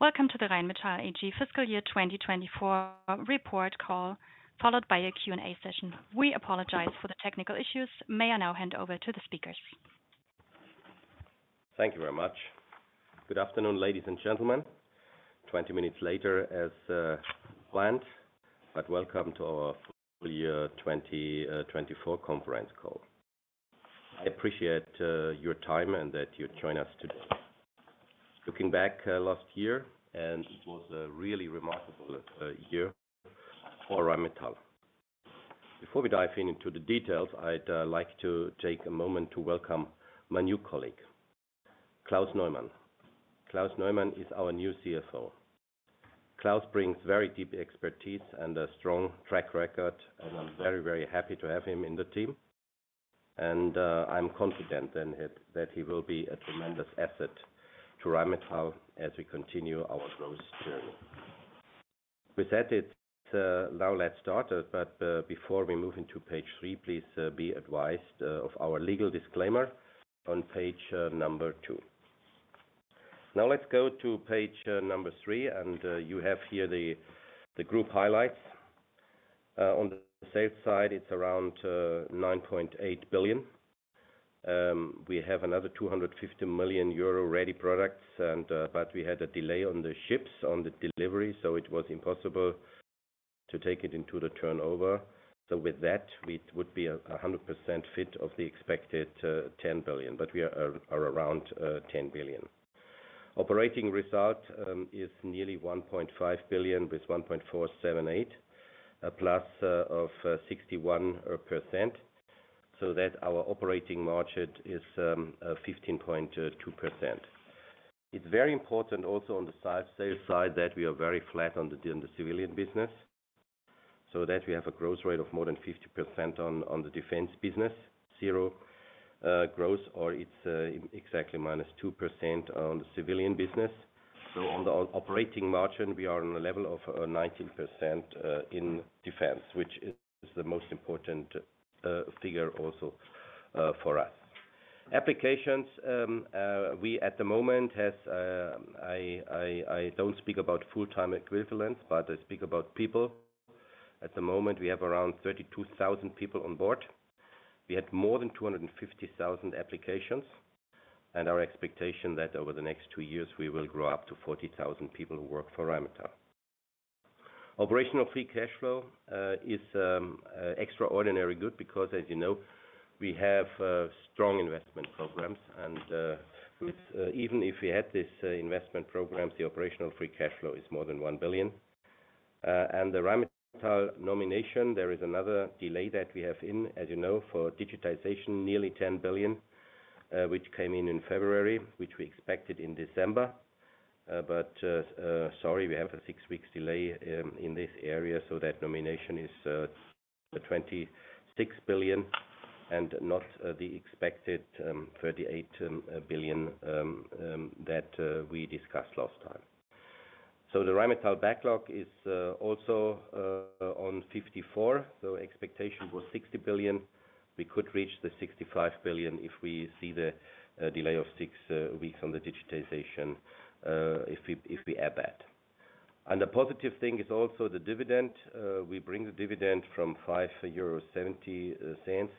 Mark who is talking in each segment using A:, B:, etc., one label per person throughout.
A: Welcome to the Rheinmetall AG Fiscal Year 2024 report call, followed by a Q&A session. We apologize for the technical issues. May I now hand over to the speakers?
B: Thank you very much. Good afternoon, ladies and gentlemen. Twenty minutes later as planned, but welcome to our fiscal year 2024 conference call. I appreciate your time and that you join us today. Looking back last year, it was a really remarkable year for Rheinmetall. Before we dive into the details, I'd like to take a moment to welcome my new colleague, Klaus Neumann. Klaus Neumann is our new CFO. Klaus brings very deep expertise and a strong track record, and I'm very, very happy to have him in the team. I'm confident that he will be a tremendous asset to Rheinmetall as we continue our growth journey. With that, now let's start. Before we move into page three, please be advised of our legal disclaimer on page number two. Now let's go to page number three, and you have here the group highlights. On the sales side, it's around 9.8 billion. We have another 250 million euro ready products, but we had a delay on the ships, on the delivery, so it was impossible to take it into the turnover. With that, it would be 100% fit of the expected 10 billion, but we are around 10 billion. Operating result is nearly 1.5 billion with 1.478 billion plus of 61%, so that our operating margin is 15.2%. It's very important also on the sales side that we are very flat on the civilian business, so that we have a growth rate of more than 50% on the defense business, zero growth, or it's exactly minus 2% on the civilian business. On the operating margin, we are on a level of 19% in defense, which is the most important figure also for us. Applications, at the moment, I don't speak about full-time equivalents, but I speak about people. At the moment, we have around 32,000 people on board. We had more than 250,000 applications, and our expectation is that over the next two years, we will grow up to 40,000 people who work for Rheinmetall. Operational free cash flow is extraordinarily good because, as you know, we have strong investment programs. Even if we had this investment program, the operational free cash flow is more than 1 billion. The Rheinmetall nomination, there is another delay that we have in, as you know, for digitization, nearly 10 billion, which came in in February, which we expected in December. Sorry, we have a six-week delay in this area, so that nomination is 26 billion and not the expected 38 billion that we discussed last time. The Rheinmetall backlog is also on 54, so expectation was 60 billion. We could reach the 65 billion if we see the delay of six weeks on the digitization if we add that. The positive thing is also the dividend. We bring the dividend from 5.70 euros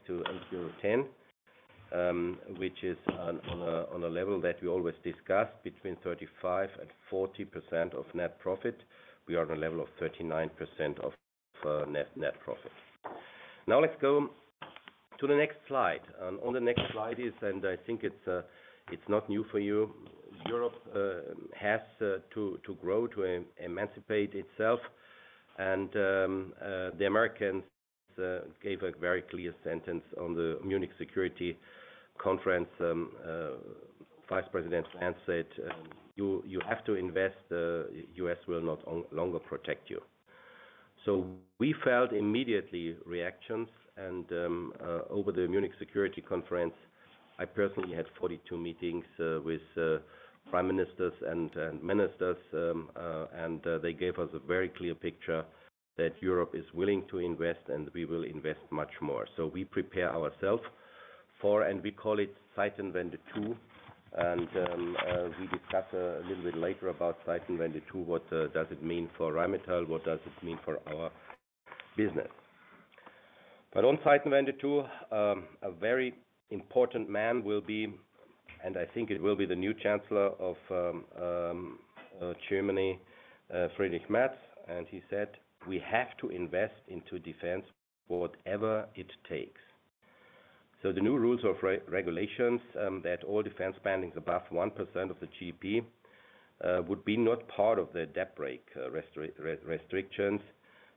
B: to 8.10, which is on a level that we always discussed, between 35% and 40% of net profit. We are on a level of 39% of net profit. Now let's go to the next slide. On the next slide is, and I think it's not new for you, Europe has to grow to emancipate itself. The Americans gave a very clear sentence on the Munich Security Conference. Vice President France said, "You have to invest. The US will no longer protect you." We felt immediate reactions, and over the Munich Security Conference, I personally had 42 meetings with prime ministers and ministers, and they gave us a very clear picture that Europe is willing to invest, and we will invest much more. We prepare ourselves for, and we call it Zeitenwende 2, and we discuss a little bit later about Zeitenwende 2, what does it mean for Rheinmetall, what does it mean for our business. On Zeitenwende 2, a very important man will be, and I think it will be the new Chancellor of Germany, Friedrich Merz, and he said, "We have to invest into defense whatever it takes." The new rules of regulations that all defense spending is above 1% of the GDP would be not part of the debt-break restrictions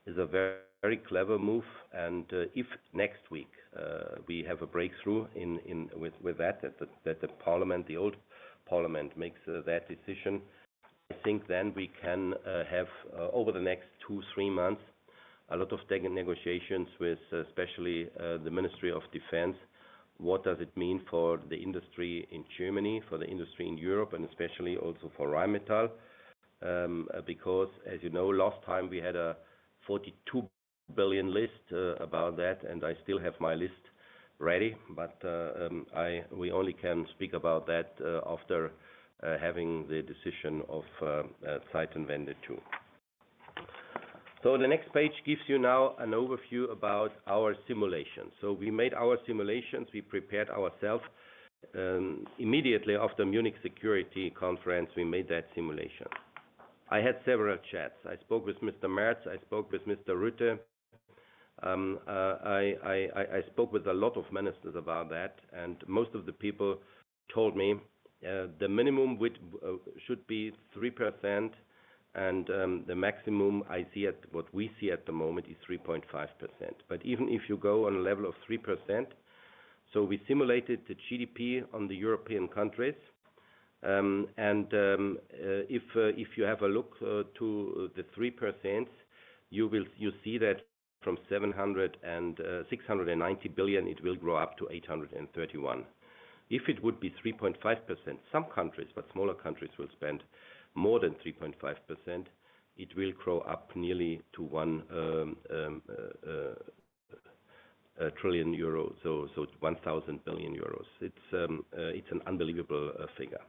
B: is a very clever move. If next week we have a breakthrough with that, that the old parliament makes that decision, I think then we can have, over the next two, three months, a lot of negotiations with especially the Ministry of Defense. What does it mean for the industry in Germany, for the industry in Europe, and especially also for Rheinmetall? Because, as you know, last time we had a 42 billion list about that, and I still have my list ready, but we only can speak about that after having the decision of Zeitenwende 2. The next page gives you now an overview about our simulations. We made our simulations. We prepared ourselves. Immediately after the Munich Security Conference, we made that simulation. I had several chats. I spoke with Mr. Merz, I spoke with Mr. Rutte, I spoke with a lot of ministers about that, and most of the people told me the minimum should be 3%, and the maximum I see, what we see at the moment, is 3.5%. Even if you go on a level of 3%, we simulated the GDP on the European countries, and if you have a look to the 3%, you see that from 690 billion, it will grow up to 831 billion. If it would be 3.5%, some countries, but smaller countries, will spend more than 3.5%, it will grow up nearly to 1 trillion euros, so 1,000 billion euros. It is an unbelievable figure.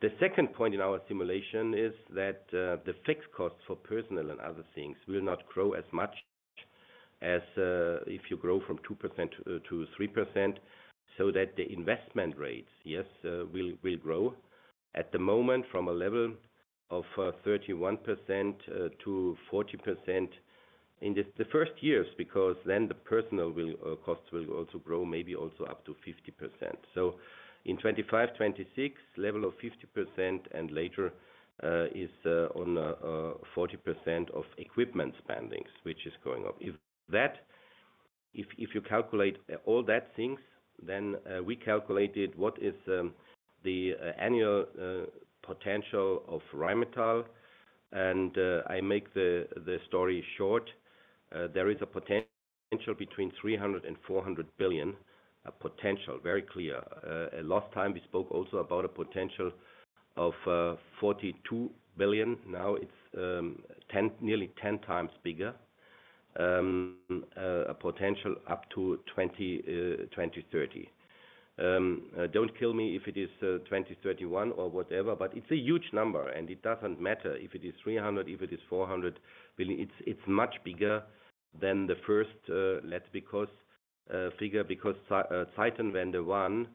B: The second point in our simulation is that the fixed costs for personnel and other things will not grow as much as if you grow from 2% to 3%, so that the investment rates, yes, will grow. At the moment, from a level of 31% to 40% in the first years, because then the personal costs will also grow maybe also up to 50%. In 2025, 2026, level of 50%, and later is on 40% of equipment spendings, which is going up. If you calculate all that things, then we calculated what is the annual potential of Rheinmetall, and I make the story short. There is a potential between 300 billion and 400 billion, a potential very clear. Last time we spoke also about a potential of 42 billion. Now it's nearly 10 times bigger, a potential up to 2030. Don't kill me if it is 2031 or whatever, but it's a huge number, and it doesn't matter if it is 300 billion, if it is 400 billion. It's much bigger than the first figure, because Zeitenwende 1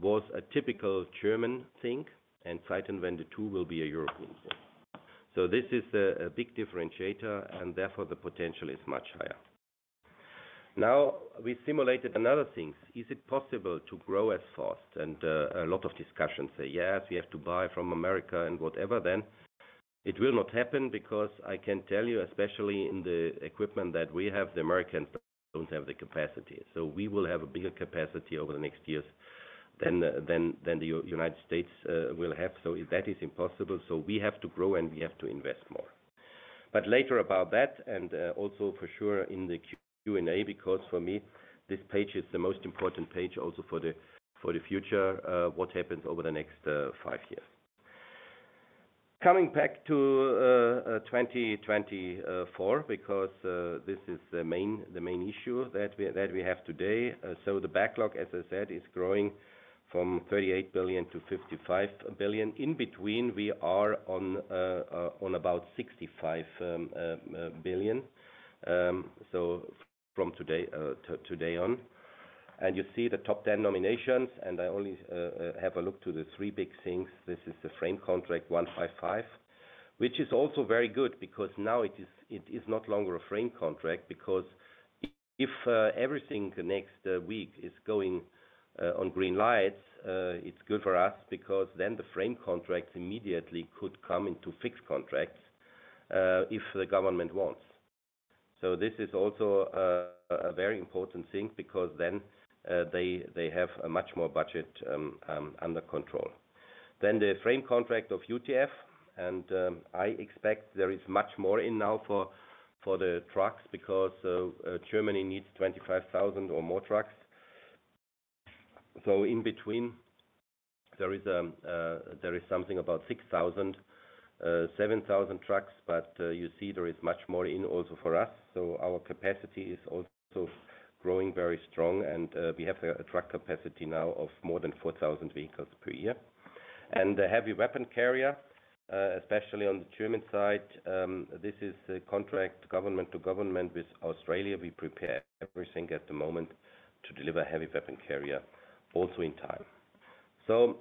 B: was a typical German thing, and Zeitenwende 2 will be a European thing. This is a big differentiator, and therefore the potential is much higher. Now we simulated another thing. Is it possible to grow as fast? A lot of discussions say, "Yes, we have to buy from America and whatever." It will not happen because I can tell you, especially in the equipment that we have, the Americans don't have the capacity. We will have a bigger capacity over the next years than the United States will have, so that is impossible. We have to grow, and we have to invest more. Later about that, and also for sure in the Q&A, because for me this page is the most important page also for the future, what happens over the next five years. Coming back to 2024, because this is the main issue that we have today. The backlog, as I said, is growing from 38 billion to 55 billion. In between, we are on about 65 billion from today on. You see the top 10 nominations, and I only have a look to the three big things. This is the frame contract 155, which is also very good because now it is not longer a frame contract. If everything next week is going on green lights, it's good for us because then the frame contracts immediately could come into fixed contracts if the government wants. This is also a very important thing because then they have much more budget under control. Then the frame contract of UTF, and I expect there is much more in now for the trucks because Germany needs 25,000 or more trucks. In between, there is something about 6,000-7,000 trucks, but you see there is much more in also for us. Our capacity is also growing very strong, and we have a truck capacity now of more than 4,000 vehicles per year. The heavy weapon carrier, especially on the German side, this is a contract government to government with Australia. We prepare everything at the moment to deliver heavy weapon carrier also in time.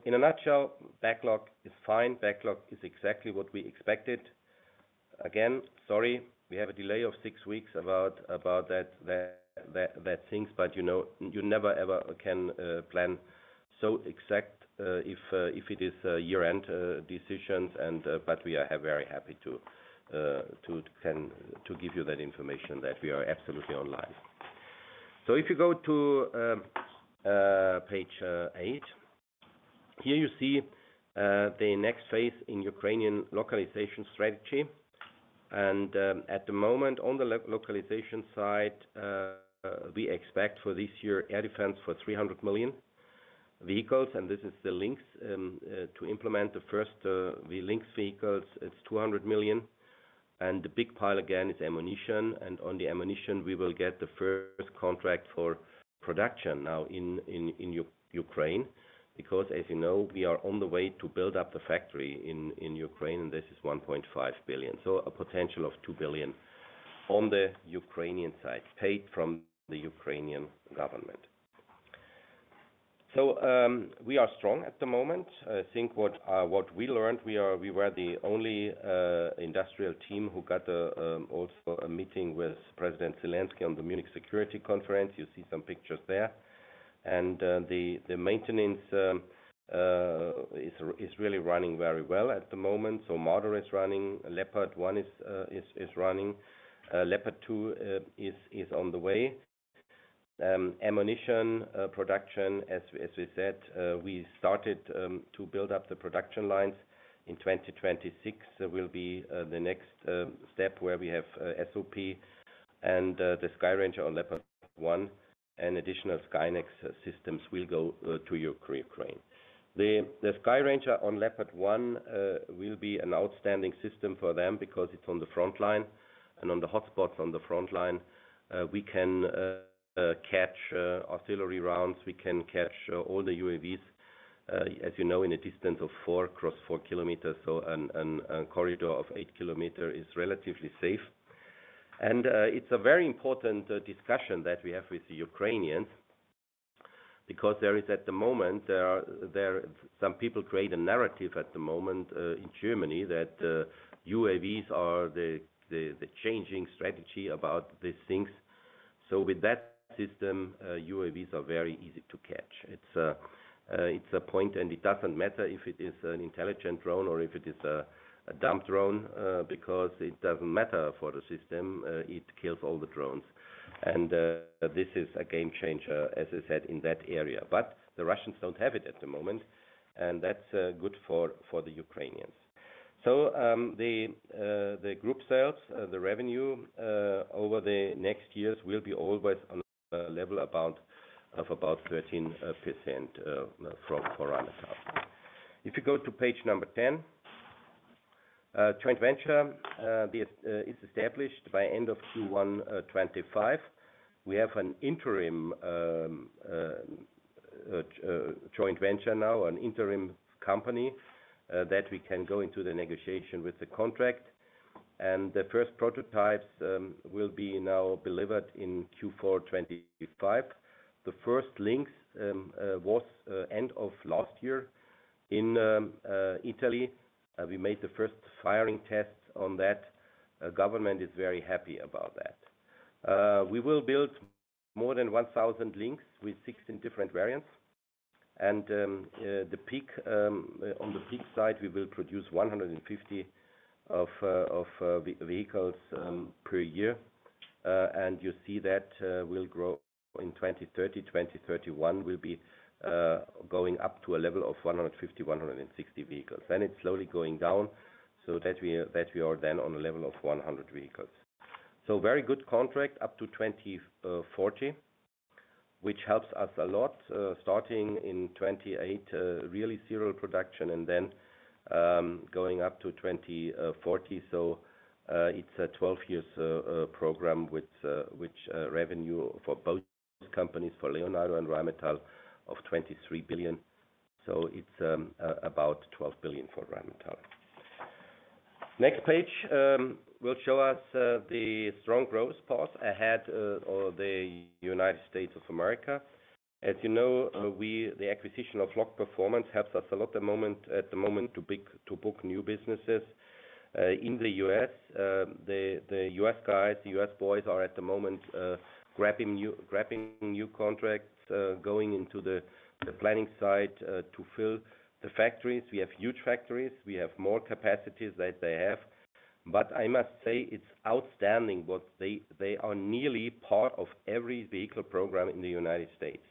B: In a nutshell, backlog is fine. Backlog is exactly what we expected. Again, sorry, we have a delay of six weeks about that things, but you never ever can plan so exact if it is year-end decisions. We are very happy to give you that information that we are absolutely online. If you go to page eight, here you see the next phase in Ukrainian localization strategy. At the moment, on the localization side, we expect for this year air defense for 300 million vehicles, and this is the Lynx to implement the first Lynx vehicles. It's 200 million. The big pile again is ammunition, and on the ammunition, we will get the first contract for production now in Ukraine because, as you know, we are on the way to build up the factory in Ukraine, and this is 1.5 billion. A potential of 2 billion on the Ukrainian side paid from the Ukrainian government. We are strong at the moment. I think what we learned, we were the only industrial team who got also a meeting with President Zelenskyy on the Munich Security Conference. You see some pictures there. The maintenance is really running very well at the moment. Model is running. Leopard 1 is running. Leopard 2 is on the way. Ammunition production, as we said, we started to build up the production lines in 2026. There will be the next step where we have SOP and the Sky Ranger on Leopard 1, and additional Skynex systems will go to Ukraine. The Sky Ranger on Leopard 1 will be an outstanding system for them because it's on the front line and on the hotspots on the front line. We can catch artillery rounds. We can catch all the UAVs, as you know, in a distance of 4 across 4 kilometers. A corridor of 8 kilometers is relatively safe. It's a very important discussion that we have with the Ukrainians because there is, at the moment, some people create a narrative at the moment in Germany that UAVs are the changing strategy about these things. With that system, UAVs are very easy to catch. It's a point, and it doesn't matter if it is an intelligent drone or if it is a dumb drone because it doesn't matter for the system. It kills all the drones. This is a game changer, as I said, in that area. The Russians don't have it at the moment, and that's good for the Ukrainians. The group sales, the revenue over the next years will be always on a level of about 13% for Rheinmetall. If you go to page number 10, joint venture is established by end of Q1 2025. We have an interim joint venture now, an interim company that we can go into the negotiation with the contract. The first prototypes will be now delivered in Q4 2025. The first Lynx was end of last year in Italy. We made the first firing tests on that. Government is very happy about that. We will build more than 1,000 Lynx with 16 different variants. The peak on the peak side, we will produce 150 vehicles per year. You see that will grow in 2030. 2031 will be going up to a level of 150-160 vehicles. Then it is slowly going down so that we are then on a level of 100 vehicles. Very good contract up to 2040, which helps us a lot. Starting in 2028, really serial production, and then going up to 2040. It is a 12-year program with revenue for both companies, for Leonardo and Rheinmetall, of 23 billion. It is about 12 billion for Rheinmetall. Next page will show us the strong growth path ahead of the United States of America. As you know, the acquisition of Lock Performance helps us a lot at the moment to book new businesses. In the U.S., the U.S. guys, the U.S. boys are at the moment grabbing new contracts, going into the planning side to fill the factories. We have huge factories. We have more capacity than they have. I must say it's outstanding what they are nearly part of every vehicle program in the United States.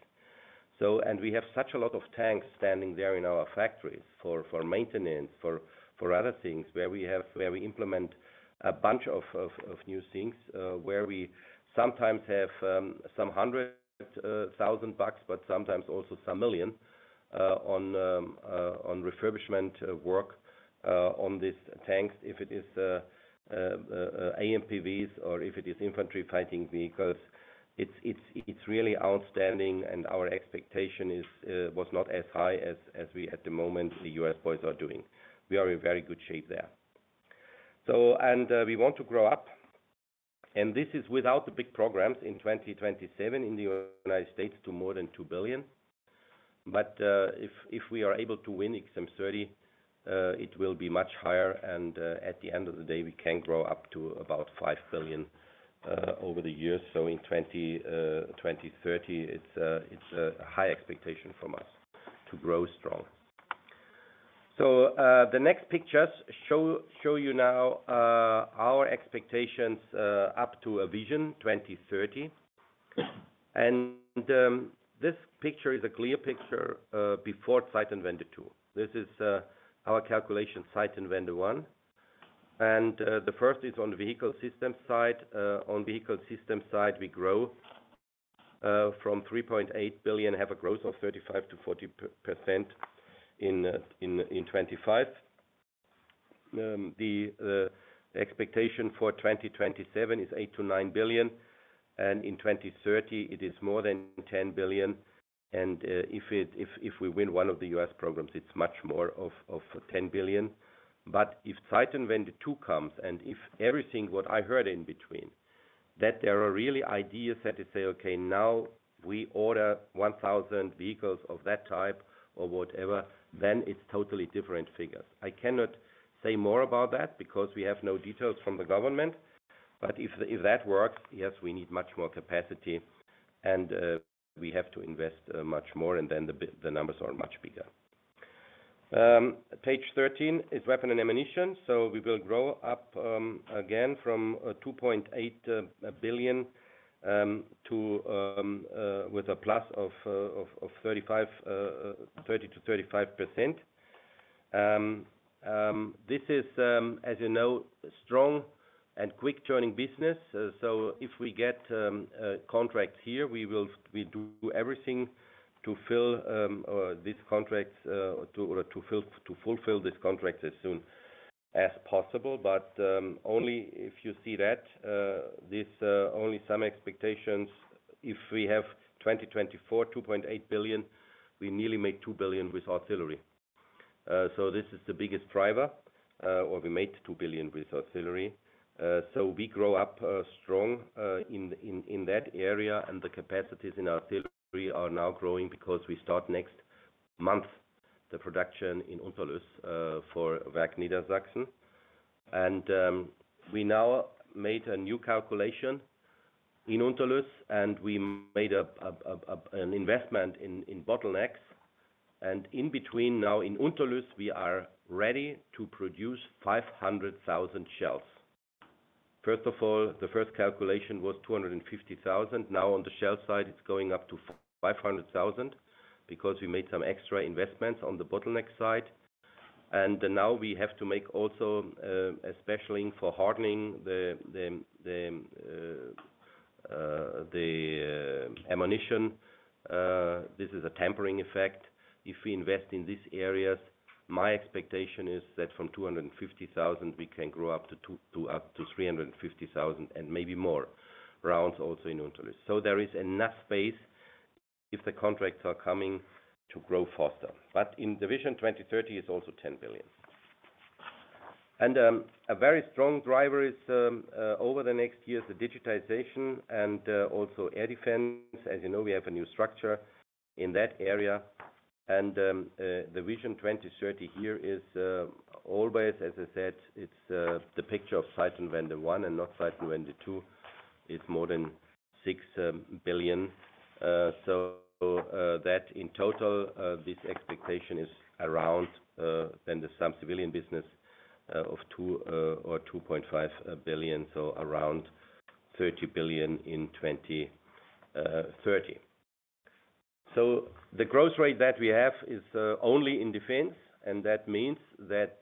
B: We have such a lot of tanks standing there in our factories for maintenance, for other things where we implement a bunch of new things where we sometimes have some hundred thousand bucks, but sometimes also some million on refurbishment work on these tanks. If it is AMPVs or if it is infantry fighting vehicles, it's really outstanding, and our expectation was not as high as we at the moment the U.S. boys are doing. We are in very good shape there. We want to grow up. This is without the big programs in 2027 in the United States to more than 2 billion. If we are able to win XM30, it will be much higher. At the end of the day, we can grow up to about 5 billion over the years. In 2030, it is a high expectation from us to grow strong. The next pictures show you now our expectations up to a vision 2030. This picture is a clear picture before Zeitenwende 2. This is our calculation Zeitenwende 1. The first is on the vehicle system side. On vehicle system side, we grow from 3.8 billion, have a growth of 35-40% in 2025. The expectation for 2027 is 8-9 billion. In 2030, it is more than 10 billion. If we win one of the US programs, it is much more of 10 billion. If Zeitenwende 2 comes and if everything what I heard in between, that there are really ideas that they say, "Okay, now we order 1,000 vehicles of that type or whatever," then it's totally different figures. I cannot say more about that because we have no details from the government. If that works, yes, we need much more capacity, and we have to invest much more, and then the numbers are much bigger. Page 13 is weapon and ammunition. We will grow up again from 2.8 billion with a plus of 30-35%. This is, as you know, strong and quick turning business. If we get contracts here, we will do everything to fill these contracts or to fulfill these contracts as soon as possible. If you see that, there's only some expectations. If we have 2024, 2.8 billion, we nearly made 2 billion with artillery. This is the biggest driver, or we made 2 billion with artillery. We grow up strong in that area, and the capacities in artillery are now growing because we start next month the production in Unterlüß for Werk Niedersachsen. We now made a new calculation in Unterlüß, and we made an investment in bottlenecks. In between now in Unterlüß, we are ready to produce 500,000 shells. First of all, the first calculation was 250,000. Now on the shell side, it's going up to 500,000 because we made some extra investments on the bottleneck side. Now we have to make also a special link for hardening the ammunition. This is a tampering effect. If we invest in these areas, my expectation is that from 250,000 we can grow up to 350,000 and maybe more rounds also in Unterlüß. There is enough space if the contracts are coming to grow faster. In the vision 2030, it's also 10 billion. A very strong driver is over the next years, the digitization and also air defense. As you know, we have a new structure in that area. The vision 2030 here is always, as I said, it's the picture of Zeitenwende 1 and not Zeitenwende 2. It's more than 6 billion. In total, this expectation is around, then there's some civilian business of 2 billion or 2.5 billion, so around 30 billion in 2030. The growth rate that we have is only in defense, and that means that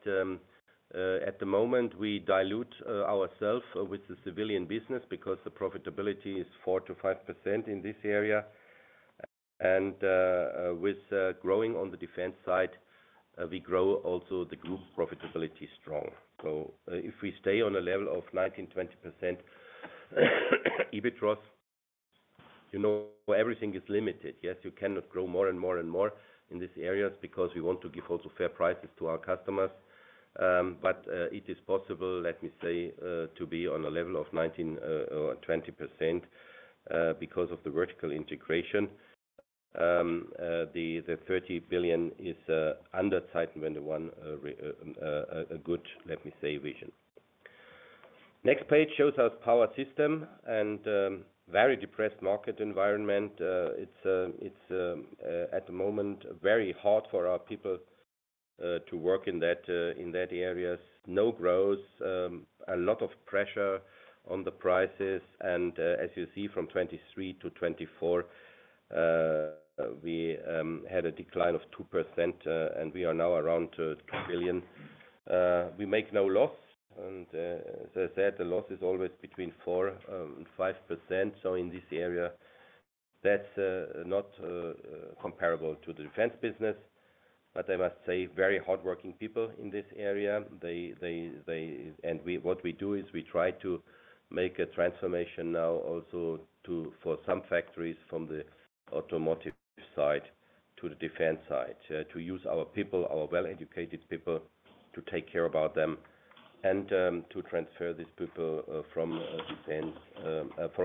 B: at the moment we dilute ourself with the civilian business because the profitability is 4%-5% in this area. With growing on the defense side, we grow also the group profitability strong. If we stay on a level of 19%-20% EBITDA, you know everything is limited. Yes, you cannot grow more and more and more in these areas because we want to give also fair prices to our customers. It is possible, let me say, to be on a level of 19% or 20% because of the vertical integration. The 30 billion is under Zeitenwende 1 a good, let me say, vision. Next page shows us power system and very depressed market environment. It is at the moment very hard for our people to work in that areas. No growth, a lot of pressure on the prices. As you see, from 2023 to 2024, we had a decline of 2%, and we are now around 2 billion. We make no loss. As I said, the loss is always between 4% and 5%. In this area, that's not comparable to the defense business. I must say very hardworking people in this area. What we do is we try to make a transformation now also for some factories from the automotive side to the defense side to use our people, our well-educated people to take care about them and to transfer these people from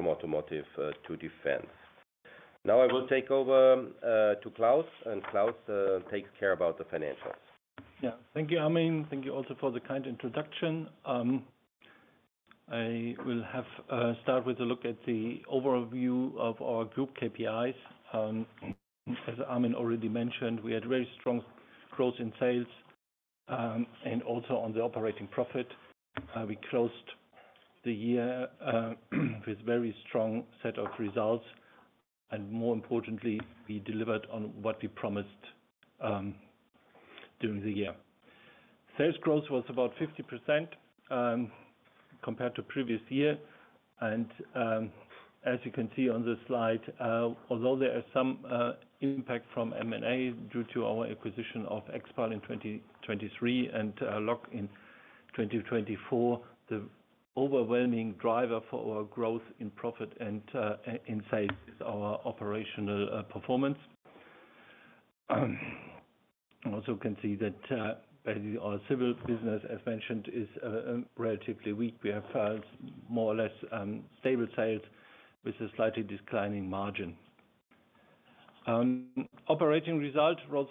B: automotive to defense. Now I will take over to Klaus, and Klaus takes care about the financials.
C: Yeah. Thank you, Armin. Thank you also for the kind introduction. I will start with a look at the overview of our group KPIs. As Armin already mentioned, we had very strong growth in sales and also on the operating profit. We closed the year with a very strong set of results. More importantly, we delivered on what we promised during the year. Sales growth was about 50% compared to previous year. As you can see on the slide, although there is some impact from M&A due to our acquisition of XPAL in 2023 and Lock in 2024, the overwhelming driver for our growth in profit and in sales is our operational performance. Also, you can see that our civil business, as mentioned, is relatively weak. We have more or less stable sales with a slightly declining margin. Operating result rose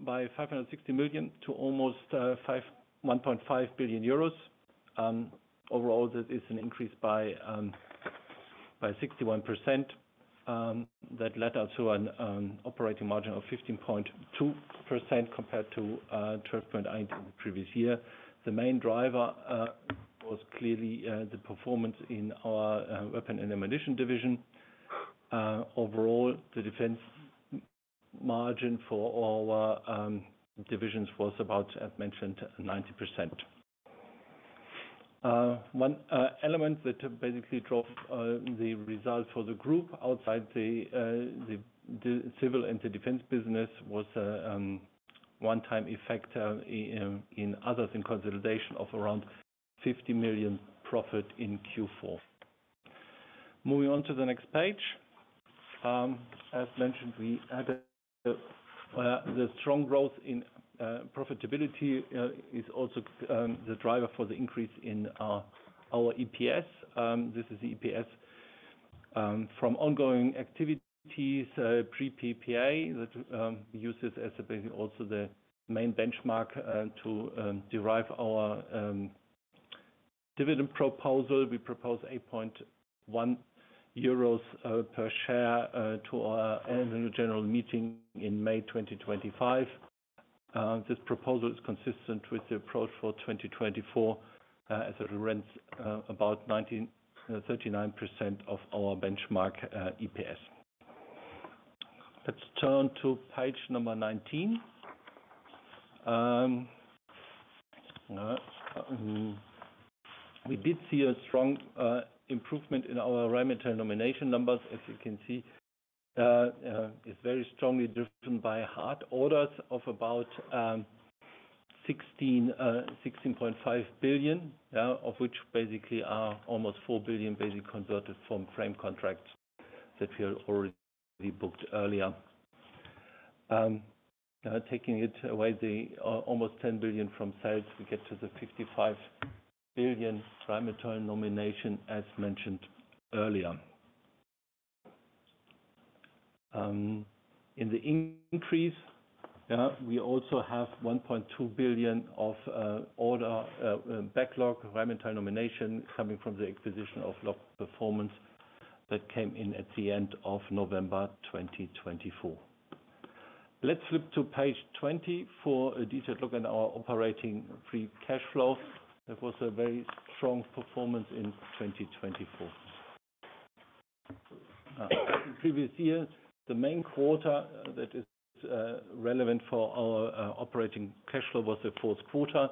C: by 560 million to almost 1.5 billion euros. Overall, that is an increase by 61%. That led us to an operating margin of 15.2% compared to 12.8% in the previous year. The main driver was clearly the performance in our weapon and ammunition division. Overall, the defense margin for our divisions was about, as mentioned, 19%. One element that basically drove the result for the group outside the civil and the defense business was a one-time effect in others in consideration of around 50 million profit in Q4. Moving on to the next page. As mentioned, the strong growth in profitability is also the driver for the increase in our EPS. This is the EPS from ongoing activities pre-PPA that we use as also the main benchmark to derive our dividend proposal. We propose 8.10 euros per share to our annual general meeting in May 2025. This proposal is consistent with the approach for 2024 as it rents about 39% of our benchmark EPS. Let's turn to page number 19. We did see a strong improvement in our Rheinmetall nomination numbers. As you can see, it's very strongly driven by hard orders of about 16.5 billion, of which basically are almost 4 billion basically converted from frame contracts that we had already booked earlier. Taking it away, the almost 10 billion from sales, we get to the 55 billion Rheinmetall nomination, as mentioned earlier. In the increase, we also have 1.2 billion of backlog Rheinmetall nomination coming from the acquisition of Lock Performance that came in at the end of November 2024. Let's flip to page 20 for a detailed look at our operating free cash flow. That was a very strong performance in 2024. In previous years, the main quarter that is relevant for our operating cash flow was the fourth quarter.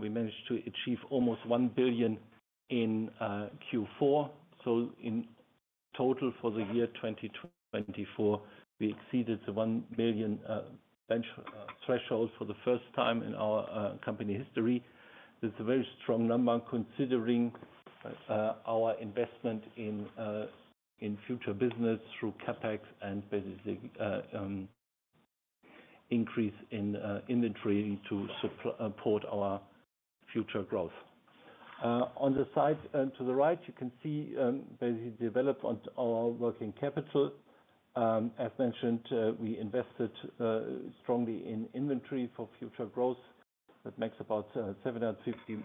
C: We managed to achieve almost 1 billion in Q4. In total for the year 2024, we exceeded the 1 billion threshold for the first time in our company history. It's a very strong number considering our investment in future business through CapEx and basically increase in inventory to support our future growth. On the side to the right, you can see basically development of our working capital. As mentioned, we invested strongly in inventory for future growth. That makes about 750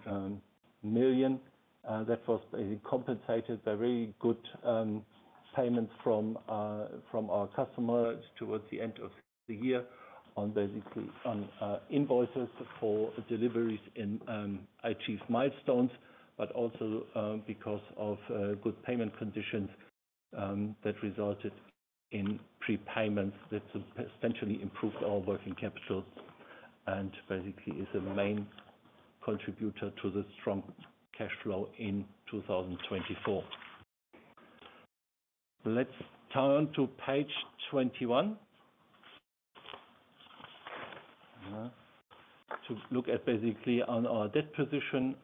C: million. That was compensated by very good payments from our customers towards the end of the year on basically invoices for deliveries in achieved milestones, but also because of good payment conditions that resulted in prepayments that essentially improved our working capital and basically is a main contributor to the strong cash flow in 2024. Let's turn to page 21 to look at basically on our debt position.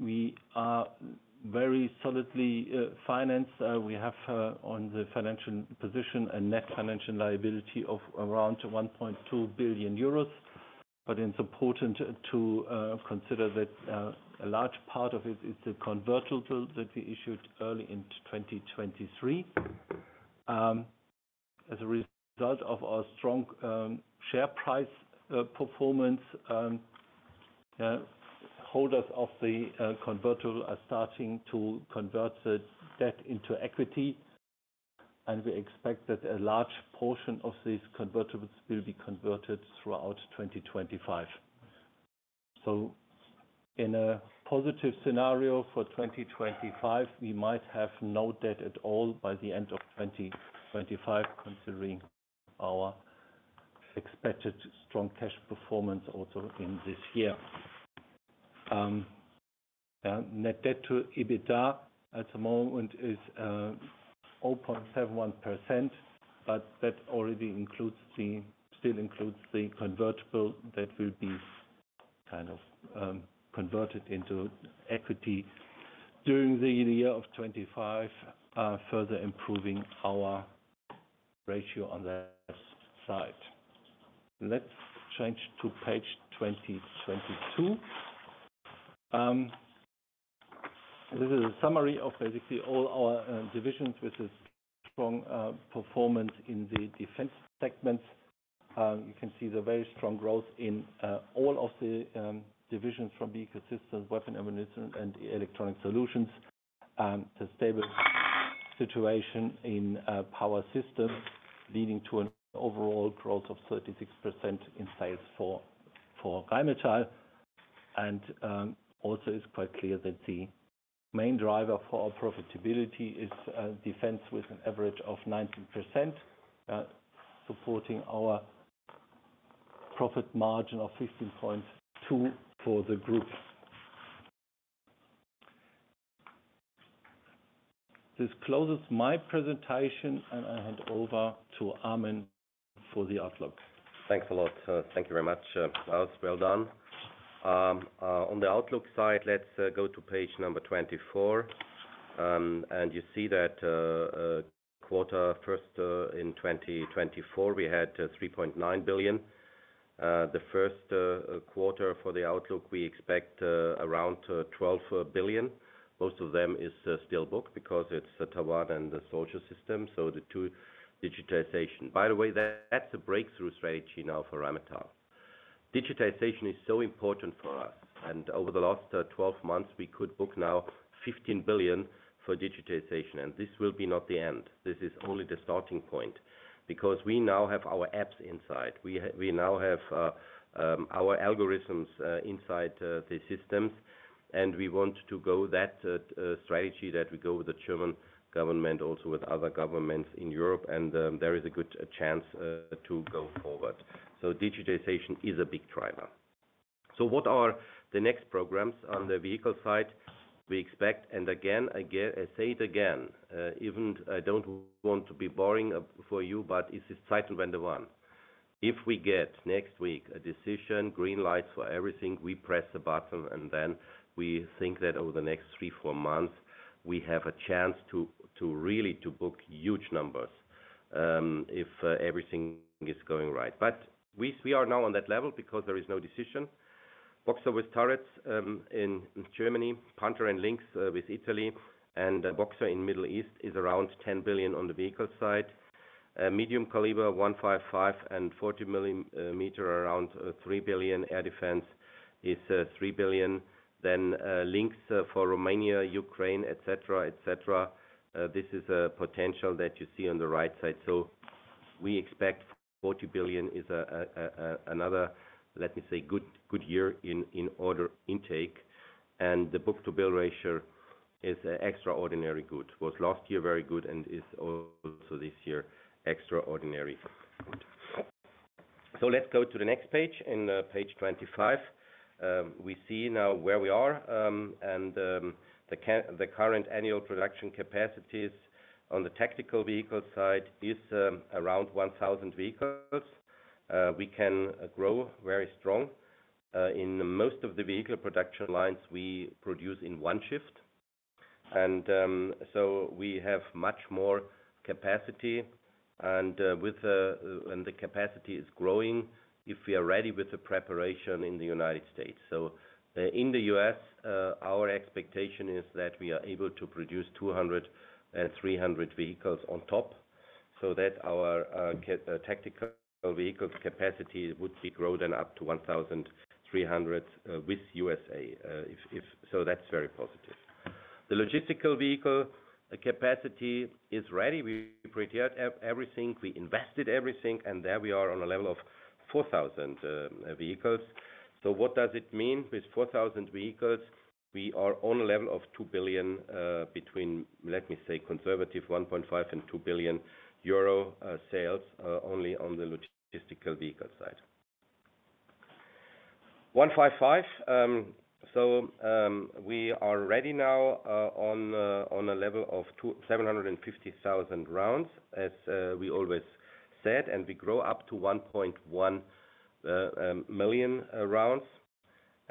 C: We are very solidly financed. We have on the financial position a net financial liability of around 1.2 billion euros. It is important to consider that a large part of it is the convertible that we issued early in 2023. As a result of our strong share price performance, holders of the convertible are starting to convert the debt into equity. We expect that a large portion of these convertibles will be converted throughout 2025. In a positive scenario for 2025, we might have no debt at all by the end of 2025, considering our expected strong cash performance also in this year. Net debt to EBITDA at the moment is 0.71%, but that still includes the convertible that will be kind of converted into equity during the year of 2025, further improving our ratio on that side. Let's change to page 2022. This is a summary of basically all our divisions with a strong performance in the defense segments. You can see the very strong growth in all of the divisions from the ecosystem, weapon ammunition, and electronic solutions. The stable situation in power systems leading to an overall growth of 36% in sales for Rheinmetall. Also, it's quite clear that the main driver for our profitability is defense with an average of 19%, supporting our profit margin of 15.2% for the group. This closes my presentation, and I hand over to Armin for the outlook.
B: Thanks a lot. Thank you very much. That was well done. On the outlook side, let's go to page number 24. You see that quarter first in 2024, we had 3.9 billion. The first quarter for the outlook, we expect around 12 billion. Most of them is still booked because it's Tavar and the soldier system. The two digitization. By the way, that's a breakthrough strategy now for Rheinmetall. Digitization is so important for us. Over the last 12 months, we could book now 15 billion for digitization. This will be not the end. This is only the starting point because we now have our apps inside. We now have our algorithms inside the systems. We want to go that strategy that we go with the German government, also with other governments in Europe. There is a good chance to go forward. Digitization is a big driver. What are the next programs on the vehicle side? We expect, and again, I say it again, I don't want to be boring for you, but it's Zeitenwende 1. If we get next week a decision, green lights for everything, we press a button, and then we think that over the next three, four months, we have a chance to really book huge numbers if everything is going right. We are now on that level because there is no decision. Boxer with turrets in Germany, Panther and Lynx with Italy, and Boxer in Middle East is around 10 billion on the vehicle side. Medium caliber 155 and 40 millimeter around 3 billion. Air defense is 3 billion. Lynx for Romania, Ukraine, etc. This is a potential that you see on the right side. We expect 40 billion is another, let me say, good year in order intake. The book-to-bill ratio is extraordinarily good. It was last year very good and is also this year extraordinarily good. Let's go to the next page in page 25. We see now where we are. The current annual production capacities on the tactical vehicle side is around 1,000 vehicles. We can grow very strong. In most of the vehicle production lines, we produce in one shift. We have much more capacity. The capacity is growing if we are ready with the preparation in the U.S. In the U.S., our expectation is that we are able to produce 200 and 300 vehicles on top so that our tactical vehicle capacity would be growing up to 1,300 with U.S.A. That's very positive. The logistical vehicle capacity is ready. We prepared everything. We invested everything. There we are on a level of 4,000 vehicles. What does it mean with 4,000 vehicles? We are on a level of 2 billion between, let me say, conservative 1.5 billion and 2 billion euro sales only on the logistical vehicle side. 155. We are ready now on a level of 750,000 rounds, as we always said. We grow up to 1.1 million rounds.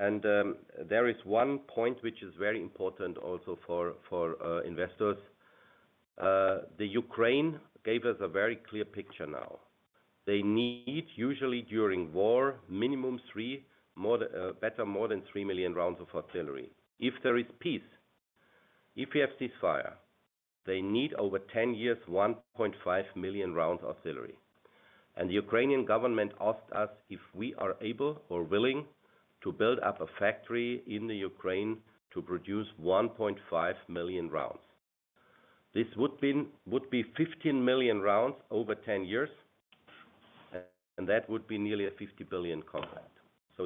B: There is one point which is very important also for investors. The Ukraine gave us a very clear picture now. They need, usually during war, minimum better more than 3 million rounds of artillery. If there is peace, if we have ceasefire, they need over 10 years 1.5 million rounds of artillery. The Ukrainian government asked us if we are able or willing to build up a factory in the Ukraine to produce 1.5 million rounds. This would be 15 million rounds over 10 years, and that would be nearly a 50 billion contract.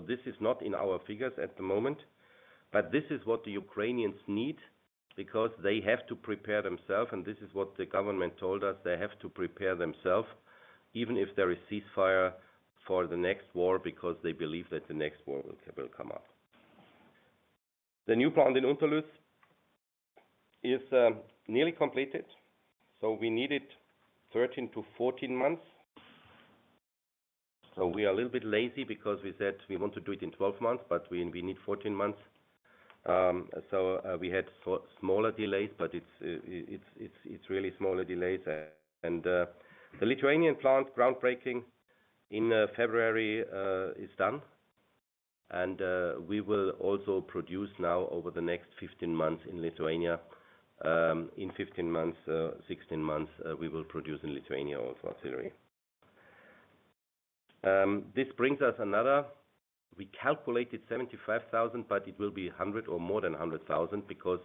B: This is not in our figures at the moment, but this is what the Ukrainians need because they have to prepare themselves. This is what the government told us. They have to prepare themselves even if there is ceasefire for the next war because they believe that the next war will come up. The new plan in Unterlüß is nearly completed. We needed 13-14 months. We are a little bit lazy because we said we want to do it in 12 months, but we need 14 months. We had smaller delays, but it's really smaller delays. The Lithuanian plant groundbreaking in February is done. We will also produce now over the next 15 months in Lithuania. In 15-16 months, we will produce in Lithuania also artillery. This brings us another. We calculated 75,000, but it will be 100,000 or more than 100,000 because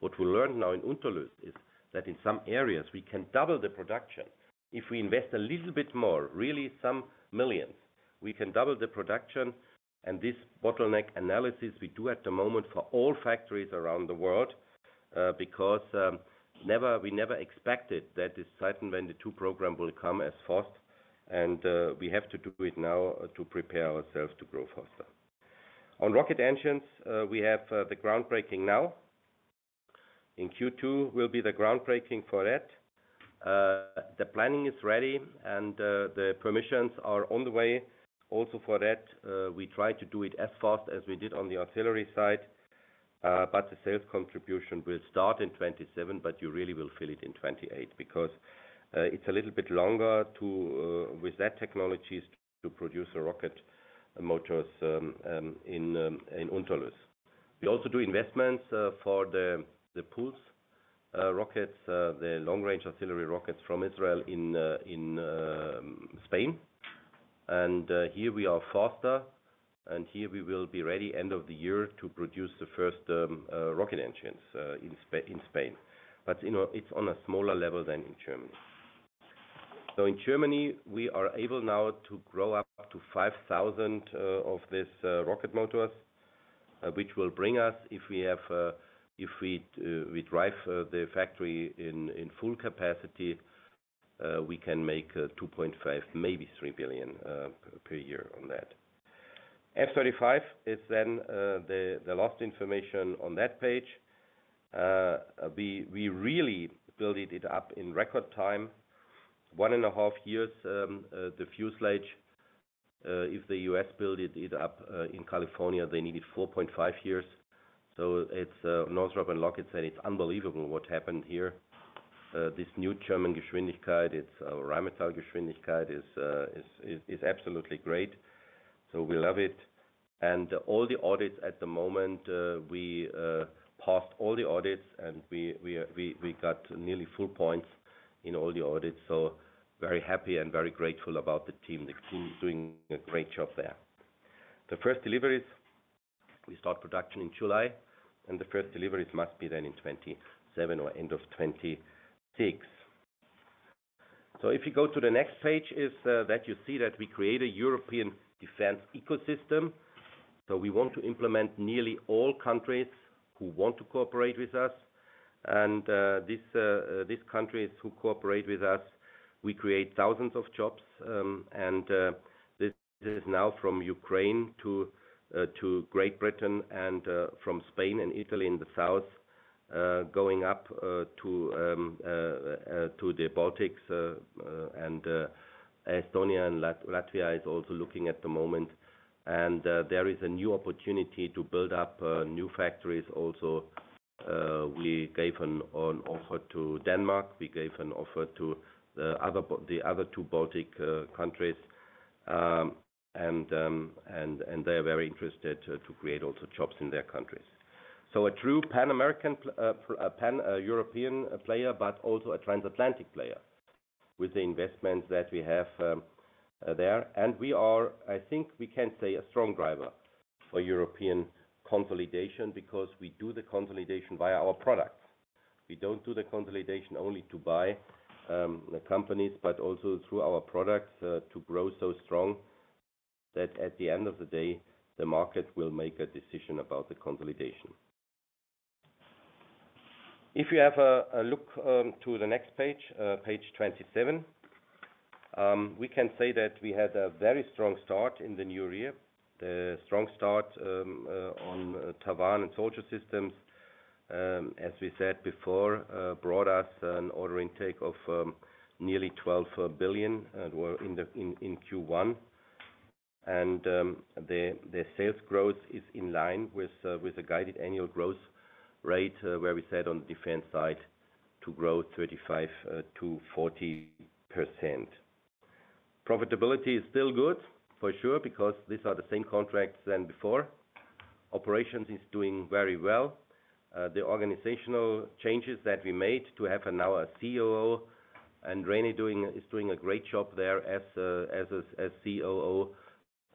B: what we learned now in Unterlüß is that in some areas, we can double the production. If we invest a little bit more, really some millions, we can double the production. This bottleneck analysis we do at the moment for all factories around the world because we never expected that the Zeitenwende 2 program will come as fast. We have to do it now to prepare ourselves to grow faster. On rocket engines, we have the groundbreaking now. In Q2, we'll be the groundbreaking for that. The planning is ready, and the permissions are on the way also for that. We try to do it as fast as we did on the artillery side. The sales contribution will start in 2027, but you really will feel it in 2028 because it's a little bit longer with that technology to produce the rocket motors in Unterlüß. We also do investments for the Pulse rockets, the long-range artillery rockets from Israel in Spain. Here we are faster, and here we will be ready at the end of the year to produce the first rocket engines in Spain. It is on a smaller level than in Germany. In Germany, we are able now to grow up to 5,000 of these rocket motors, which will bring us, if we drive the factory in full capacity, we can make 2.5 billion, maybe 3 billion per year on that. F-35 is then the last information on that page. We really built it up in record time, one and a half years, the fuselage. If the US built it up in California, they needed four and a half years. It is a Nozdrop and Lockheed said it is unbelievable what happened here. This new German Geschwindigkeit, it is our Rheinmetall Geschwindigkeit, is absolutely great. We love it. All the audits at the moment, we passed all the audits, and we got nearly full points in all the audits. Very happy and very grateful about the team. The team is doing a great job there. The first deliveries, we start production in July, and the first deliveries must be then in 2027 or end of 2026. If you go to the next page, you see that we create a European defense ecosystem. We want to implement nearly all countries who want to cooperate with us. These countries who cooperate with us, we create thousands of jobs. This is now from Ukraine to Great Britain and from Spain and Italy in the south, going up to the Baltics. Estonia and Latvia is also looking at the moment. There is a new opportunity to build up new factories also. We gave an offer to Denmark. We gave an offer to the other two Baltic countries. They are very interested to create also jobs in their countries. A true Pan-American, European player, but also a transatlantic player with the investments that we have there. We are, I think we can say, a strong driver for European consolidation because we do the consolidation via our products. We do not do the consolidation only to buy companies, but also through our products to grow so strong that at the end of the day, the market will make a decision about the consolidation. If you have a look to the next page, page 27, we can say that we had a very strong start in the new year. The strong start on Tavar and soldier systems, as we said before, brought us an order intake of nearly 12 billion in Q1. The sales growth is in line with the guided annual growth rate where we said on the defense side to grow 35-40%. Profitability is still good for sure because these are the same contracts than before. Operations is doing very well. The organizational changes that we made to have now a COO, and Rheini is doing a great job there as COO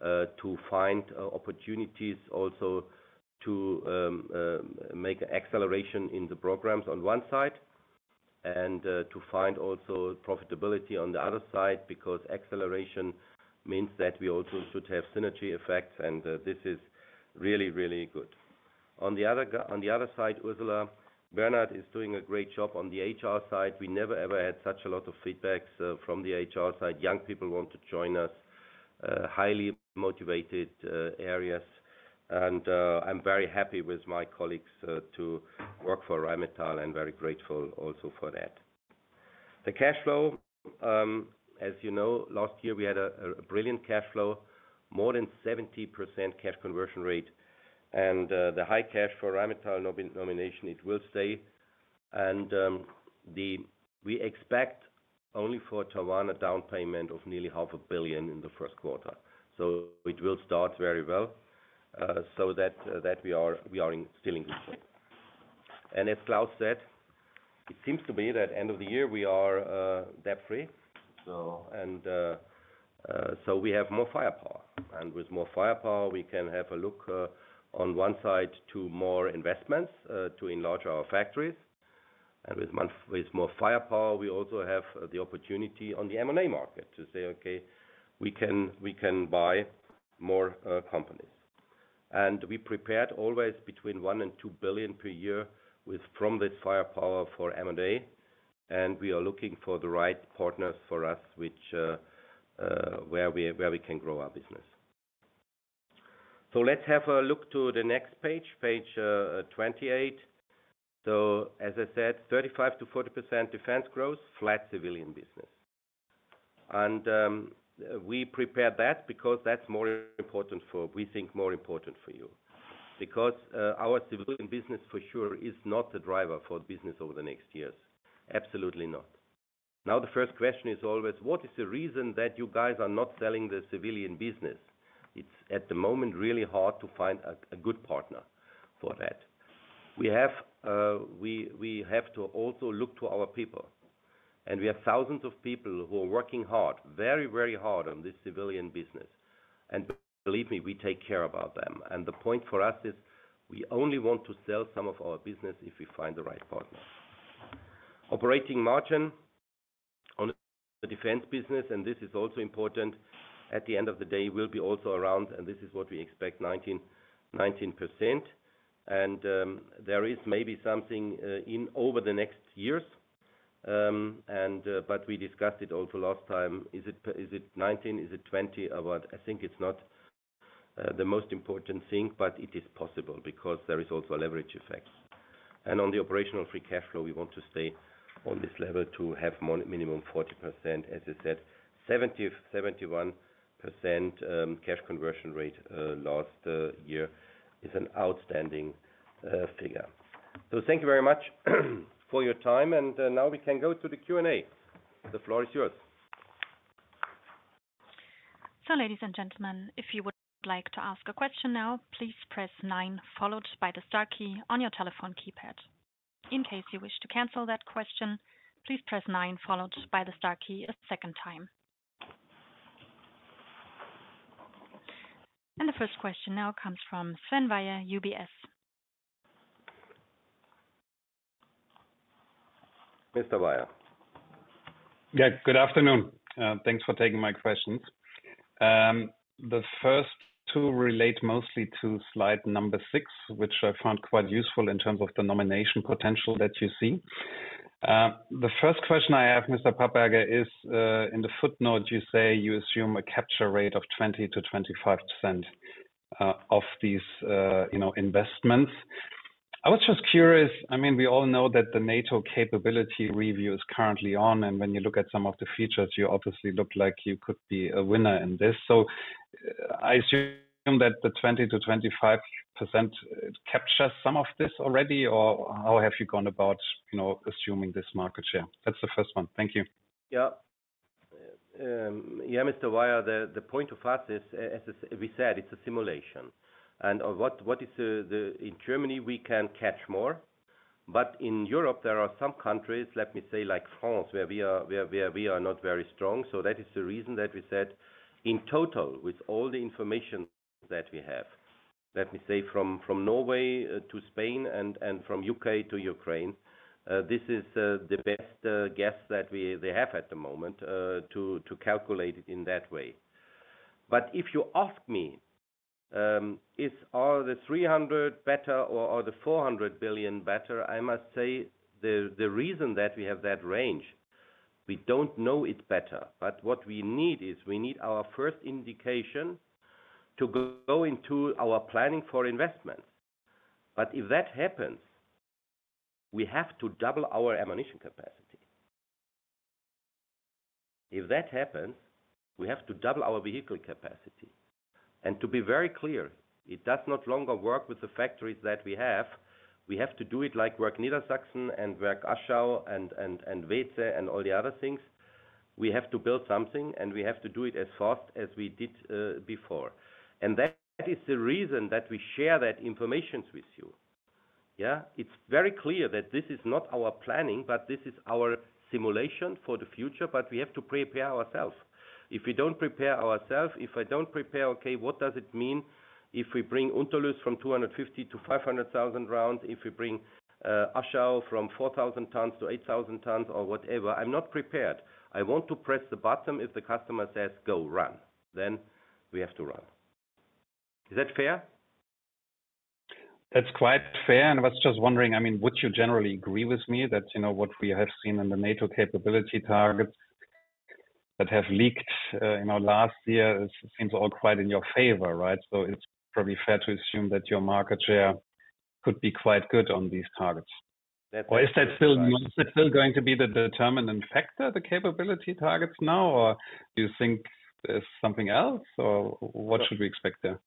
B: to find opportunities also to make acceleration in the programs on one side and to find also profitability on the other side because acceleration means that we also should have synergy effects, and this is really, really good. On the other side, Ursula Bernard is doing a great job on the HR side. We never ever had such a lot of feedbacks from the HR side. Young people want to join us, highly motivated areas. I'm very happy with my colleagues to work for Rheinmetall and very grateful also for that. The cash flow, as you know, last year we had a brilliant cash flow, more than 70% cash conversion rate. The high cash for Rheinmetall nomination, it will stay. We expect only for Tavar a down payment of nearly 500,000,000 in the first quarter. It will start very well so that we are still in good shape. As Klaus said, it seems to me that at the end of the year, we are debt-free. We have more firepower. With more firepower, we can have a look on one side to more investments to enlarge our factories. With more firepower, we also have the opportunity on the M&A market to say, "Okay, we can buy more companies." We prepared always between 1 billion and 2 billion per year from this firepower for M&A, and we are looking for the right partners for us where we can grow our business. Let's have a look to the next page, page 28. As I said, 35%-40% defense growth, flat civilian business. We prepared that because that's more important for, we think more important for you. Because our civilian business for sure is not the driver for business over the next years, absolutely not. Now the first question is always, what is the reason that you guys are not selling the civilian business? It's at the moment really hard to find a good partner for that. We have to also look to our people. We have thousands of people who are working hard, very, very hard on this civilian business. Believe me, we take care about them. The point for us is we only want to sell some of our business if we find the right partner. Operating margin on the defense business, and this is also important at the end of the day, will be also around, and this is what we expect, 19%. There is maybe something in over the next years, but we discussed it also last time. Is it 19%? Is it 20%? I think it's not the most important thing, but it is possible because there is also a leverage effect. On the operational free cash flow, we want to stay on this level to have minimum 40%. As I said, 71% cash conversion rate last year is an outstanding figure. Thank you very much for your time. Now we can go to the Q&A. The floor is yours.
A: Ladies and gentlemen, if you would like to ask a question now, please press 9 followed by the star key on your telephone keypad. In case you wish to cancel that question, please press 9 followed by the star key a second time. The first question now comes from Sven Weier, UBS.
C: Mr. Weier.
D: Good afternoon. Thanks for taking my questions. The first two relate mostly to slide number 6, which I found quite useful in terms of the nomination potential that you see. The first question I have, Mr. Papperger, is in the footnote you say you assume a capture rate of 20-25% of these investments. I was just curious, I mean we all know that the NATO capability review is currently on, and when you look at some of the features, you obviously look like you could be a winner in this. I assume that the 20-25% captures some of this already, or how have you gone about assuming this market share? That's the first one. Thank you.
B: Yeah, Mr. Weier, the point of us is, as we said, it's a simulation. In Germany, we can catch more, but in Europe, there are some countries, let me say like France, where we are not very strong. That is the reason that we said in total with all the information that we have, let me say from Norway to Spain and from U.K. to Ukraine, this is the best guess that they have at the moment to calculate it in that way. If you ask me, is the 300 billion better or the 400 billion better, I must say the reason that we have that range, we don't know it better, but what we need is we need our first indication to go into our planning for investments. If that happens, we have to double our ammunition capacity. If that happens, we have to double our vehicle capacity. To be very clear, it does not longer work with the factories that we have. We have to do it like work Niedersachsen and work Aschau and Weetze and all the other things. We have to build something, and we have to do it as fast as we did before. That is the reason that we share that information with you. It is very clear that this is not our planning, but this is our simulation for the future, but we have to prepare ourselves. If we do not prepare ourselves, if I do not prepare, okay, what does it mean if we bring Unterlüß from 250,000 to 500,000 rounds, if we bring Aschau from 4,000 tons to 8,000 tons or whatever? I am not prepared. I want to press the button if the customer says, "Go, run." We have to run. Is that fair?
D: That's quite fair. I was just wondering, I mean would you generally agree with me that what we have seen in the NATO capability targets that have leaked last year seems all quite in your favor? It's probably fair to assume that your market share could be quite good on these targets. Is that still going to be the determining factor, the capability targets now, or do you think there's something else, or what should we expect there?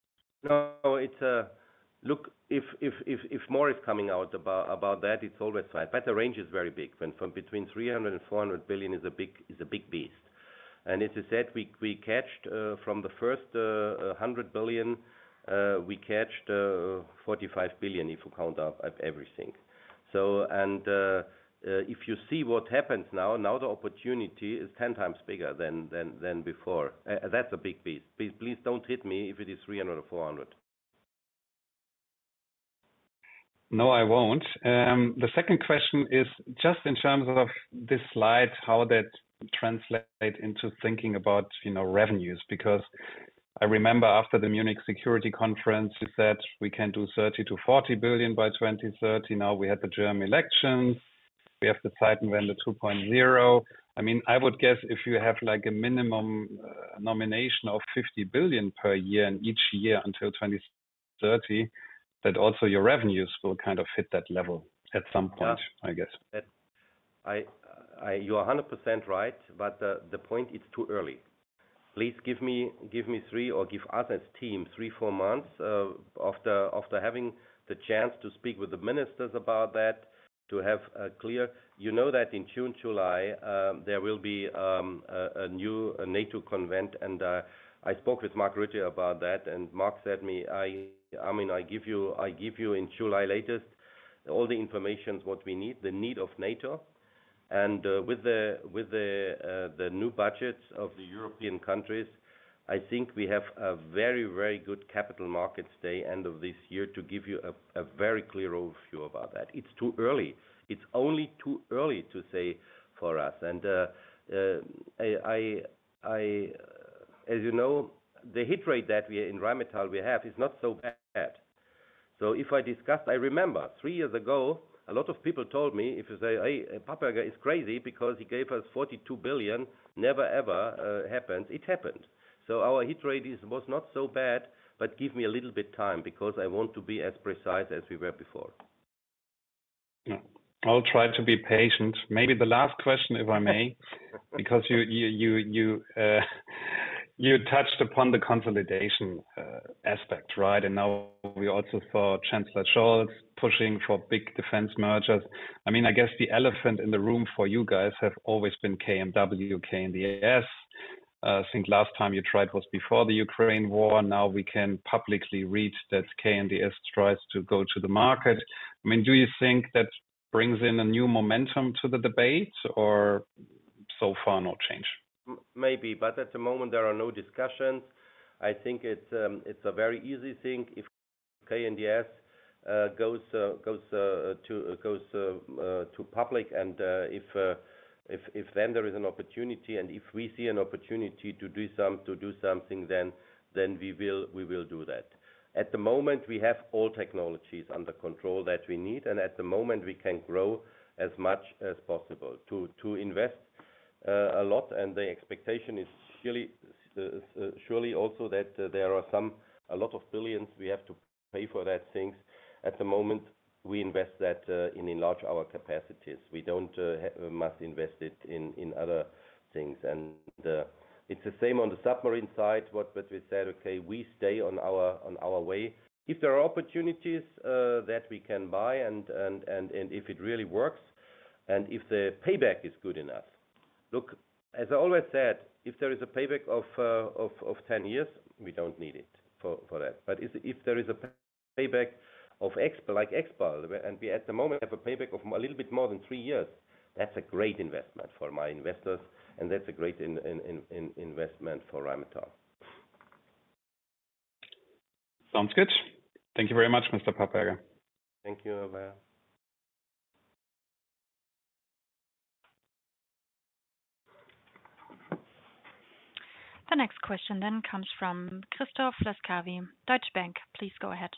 B: Look, if more is coming out about that, it's always fine. The range is very big. Between 300 billion and 400 billion is a big beast. As I said, we catched from the first 100 billion, we catched 45 billion if you count up everything. If you see what happens now, now the opportunity is 10 times bigger than before. That's a big beast. Please don't hit me if it is 300 billion or 400 billion.
D: No, I won't. The second question is just in terms of this slide, how that translates into thinking about revenues. Because I remember after the Munich Security Conference, you said we can do 30 billion-40 billion by 2030. Now we had the German elections. We have the Zeitenwende 2.0. I would guess if you have a minimum nomination of 50 billion per year and each year until 2030, that also your revenues will kind of hit that level at some point, I guess.
B: You are 100% right, but the point is too early. Please give me three or give us as team three, four months after having the chance to speak with the ministers about that, to have a clear, you know that in June, July, there will be a new NATO convent. I spoke with Mark Rutte about that, and Mark said to me, "I give you in July latest all the information what we need, the need of NATO." With the new budgets of the European countries, I think we have a very, very good capital markets day end of this year to give you a very clear overview about that. It's too early. It's only too early to say for us. As you know, the hit rate that we in Rheinmetall we have is not so bad. I remember three years ago, a lot of people told me, "Papperger is crazy because he gave us 42 billion. Never ever happens." It happened. Our hit rate was not so bad, but give me a little bit of time because I want to be as precise as we were before.
D: I'll try to be patient. Maybe the last question, if I may, because you touched upon the consolidation aspect. Now we also saw Chancellor Scholz pushing for big defense mergers. I guess the elephant in the room for you guys has always been KMW, KNDS. I think last time you tried was before the Ukraine war. Now we can publicly read that KNDS tries to go to the market. Do you think that brings in a new momentum to the debate, or so far no change?
B: Maybe, but at the moment there are no discussions. I think it's a very easy thing if KNDS goes to public, and if then there is an opportunity, and if we see an opportunity to do something, then we will do that. At the moment, we have all technologies under control that we need, and at the moment we can grow as much as possible to invest a lot. The expectation is surely also that there are a lot of billions we have to pay for that things. At the moment, we invest that in large our capacities. We don't must invest it in other things. It's the same on the submarine side, what we said, we stay on our way. If there are opportunities that we can buy and if it really works, and if the payback is good enough. Look, as I always said, if there is a payback of 10 years, we do not need it for that. If there is a payback of X, like XPAL, and we at the moment have a payback of a little bit more than three years, that is a great investment for my investors, and that is a great investment for Rheinmetall.
D: Sounds good. Thank you very much, Mr. Papperger.
C: Thank you, Weier.
A: The next question then comes from Christoph Laskawi, Deutsche Bank. Please go ahead.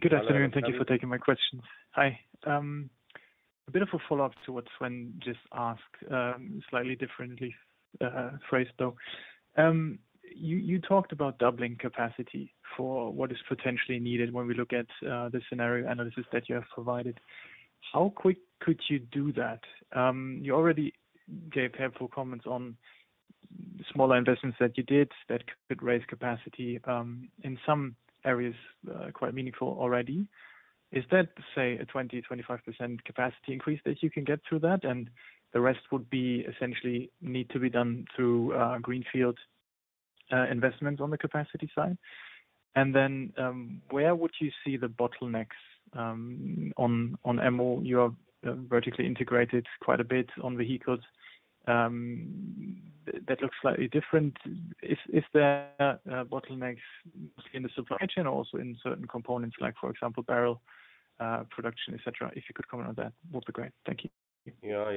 E: Good afternoon. Thank you for taking my questions. Hi. A bit of a follow-up to what Sven just asked, slightly differently phrased though. You talked about doubling capacity for what is potentially needed when we look at the scenario analysis that you have provided. How quick could you do that? You already gave helpful comments on smaller investments that you did that could raise capacity in some areas quite meaningful already. Is that, say, a 20-25% capacity increase that you can get through that, and the rest would essentially need to be done through greenfield investments on the capacity side? Where would you see the bottlenecks on MO? You are vertically integrated quite a bit on vehicles. That looks slightly different. Is there bottlenecks in the supply chain or also in certain components, like for example, barrel production, etc.? If you could comment on that, that would be great. Thank you.
B: Yeah.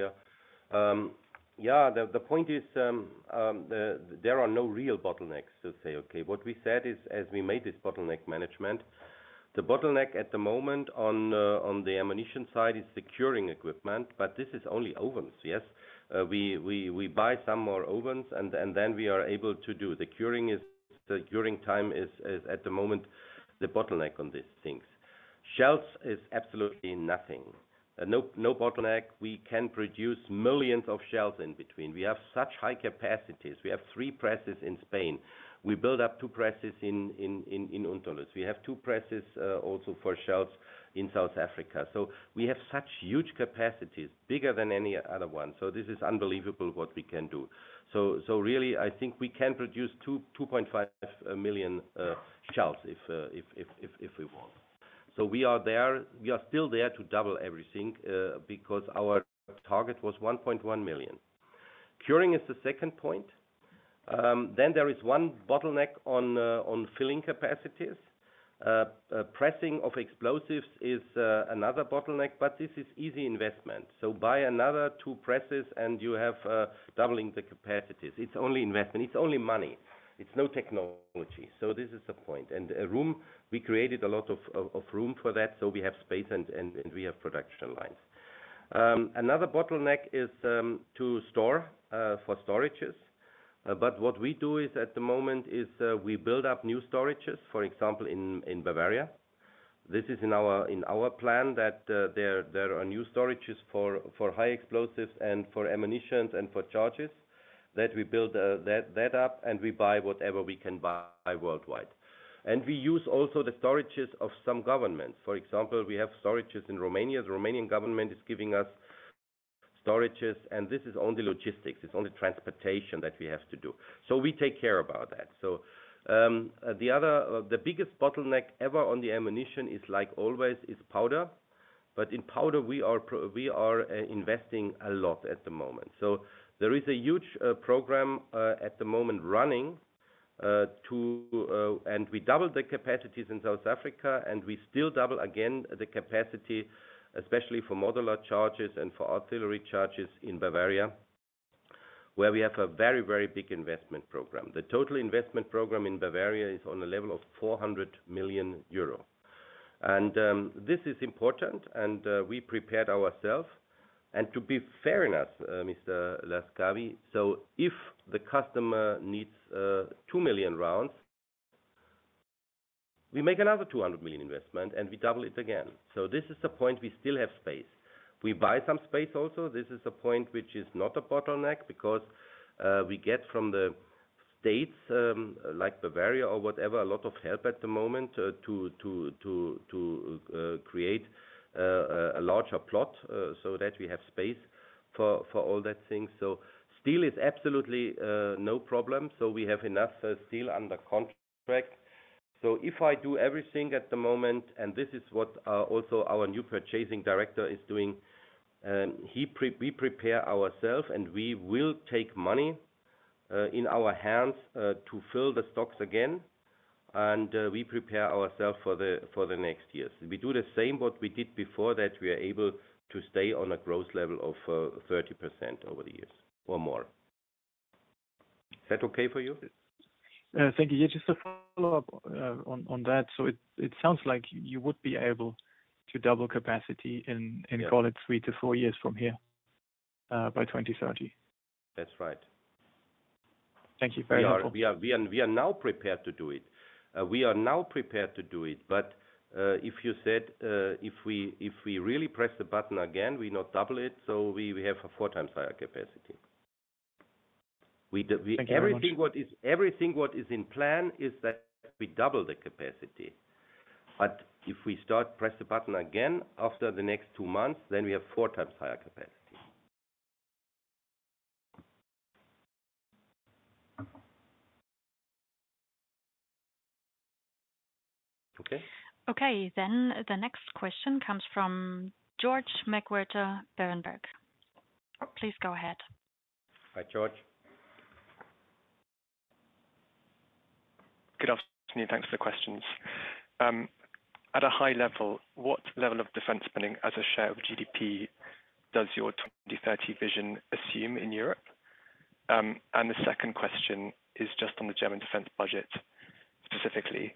B: Yeah. Yeah. The point is there are no real bottlenecks to say. What we said is as we made this bottleneck management, the bottleneck at the moment on the ammunition side is the curing equipment, but this is only ovens. We buy some more ovens, and then we are able to do the curing. The curing time is at the moment the bottleneck on these things. Shells is absolutely nothing. No bottleneck. We can produce millions of shells in between. We have such high capacities. We have three presses in Spain. We build up two presses in Unterlüß. We have two presses also for shells in South Africa. We have such huge capacities, bigger than any other one. This is unbelievable what we can do. Really, I think we can produce 2.5 million shells if we want. We are there. We are still there to double everything because our target was 1.1 million. Curing is the second point. There is one bottleneck on filling capacities. Pressing of explosives is another bottleneck, but this is easy investment. Buy another two presses and you have doubling the capacities. It's only investment. It's only money. It's no technology. This is the point. We created a lot of room for that, so we have space and we have production lines. Another bottleneck is to store for storages. What we do at the moment is we build up new storages, for example, in Bavaria. This is in our plan that there are new storages for high explosives and for ammunitions and for charges. We build that up and we buy whatever we can buy worldwide. We use also the storages of some governments. For example, we have storages in Romania. The Romanian government is giving us storages, and this is only logistics. It's only transportation that we have to do. We take care about that. The biggest bottleneck ever on the ammunition is like always is powder. In powder, we are investing a lot at the moment. There is a huge program at the moment running, and we doubled the capacities in South Africa, and we still double again the capacity, especially for modular charges and for artillery charges in Bavaria, where we have a very, very big investment program. The total investment program in Bavaria is on a level of 400 million euro. This is important, and we prepared ourselves. To be fair enough, Mr. Laskawi, if the customer needs 2 million rounds, we make another 200 million investment and we double it again. This is the point we still have space. We buy some space also. This is a point which is not a bottleneck because we get from the states like Bavaria or whatever a lot of help at the moment to create a larger plot so that we have space for all that things. Steel is absolutely no problem. We have enough steel under contract. If I do everything at the moment, and this is what also our new purchasing director is doing, we prepare ourselves and we will take money in our hands to fill the stocks again, and we prepare ourselves for the next years. We do the same what we did before that we are able to stay on a growth level of 30% over the years or more. Is that okay for you?
E: Thank you. Just a follow-up on that. It sounds like you would be able to double capacity in, call it, three to four years from here by 2030.
B: That's right.
E: Thank you very much.
B: We are now prepared to do it. We are now prepared to do it. If you said if we really press the button again, we not double it, we have a four times higher capacity. Everything what is in plan is that we double the capacity. If we start press the button again after the next two months, then we have four times higher capacity. Okay?
A: Okay. The next question comes from George McWhirter, Berenberg. Please go ahead.
B: Hi, George.
F: Good afternoon. Thanks for the questions. At a high level, what level of defense spending as a share of GDP does your 2030 vision assume in Europe? The second question is just on the German defense budget specifically.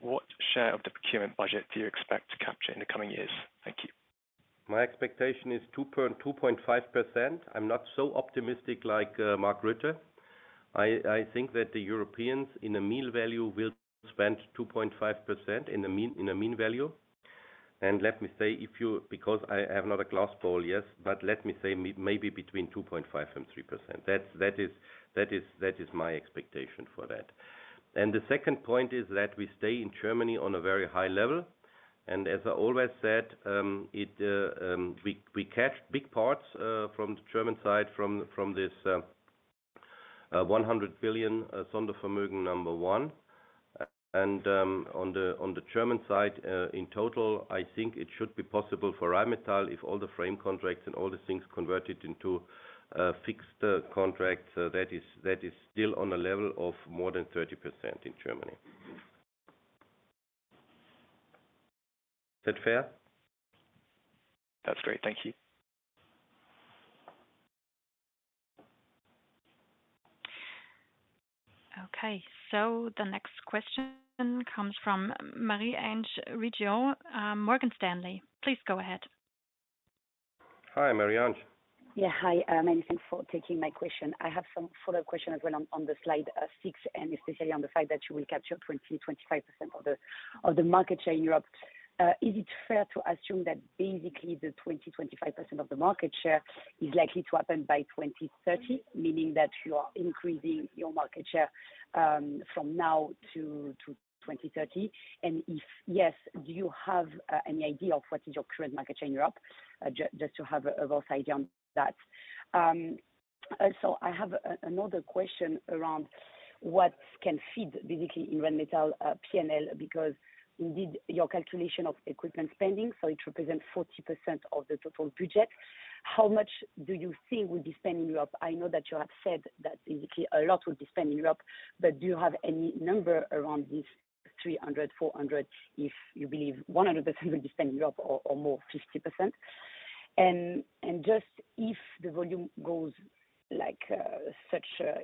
F: What share of the procurement budget do you expect to capture in the coming years? Thank you.
B: My expectation is 2.5%. I'm not so optimistic like Mark Rutte. I think that the Europeans in a mean value will spend 2.5% in a mean value. Let me say, because I have not a glass bowl, yes, but let me say maybe between 2.5-3%. That is my expectation for that. The second point is that we stay in Germany on a very high level. As I always said, we catch big parts from the German side from this 100 billion Sondervermögen number one. On the German side, in total, I think it should be possible for Rheinmetall if all the frame contracts and all the things converted into fixed contracts, that is still on a level of more than 30% in Germany. Is that fair?
F: That's great. Thank you.
A: Okay. The next question comes from Marie-Ange Riggio, Morgan Stanley. Please go ahead.
C: Hi, Marie-Ange.
G: Yeah. Hi. Thanks for taking my question. I have some follow-up questions as well on the slide six, and especially on the fact that you will capture 20-25% of the market share in Europe. Is it fair to assume that basically the 20-25% of the market share is likely to happen by 2030, meaning that you are increasing your market share from now to 2030? If yes, do you have any idea of what is your current market share in Europe? Just to have a rough idea on that. Also, I have another question around what can feed basically in Rheinmetall P&L, because indeed your calculation of equipment spending, so it represents 40% of the total budget. How much do you think will be spent in Europe? I know that you have said that basically a lot will be spent in Europe, but do you have any number around this 300, 400 if you believe 100% will be spent in Europe or more 50%? Just if the volume goes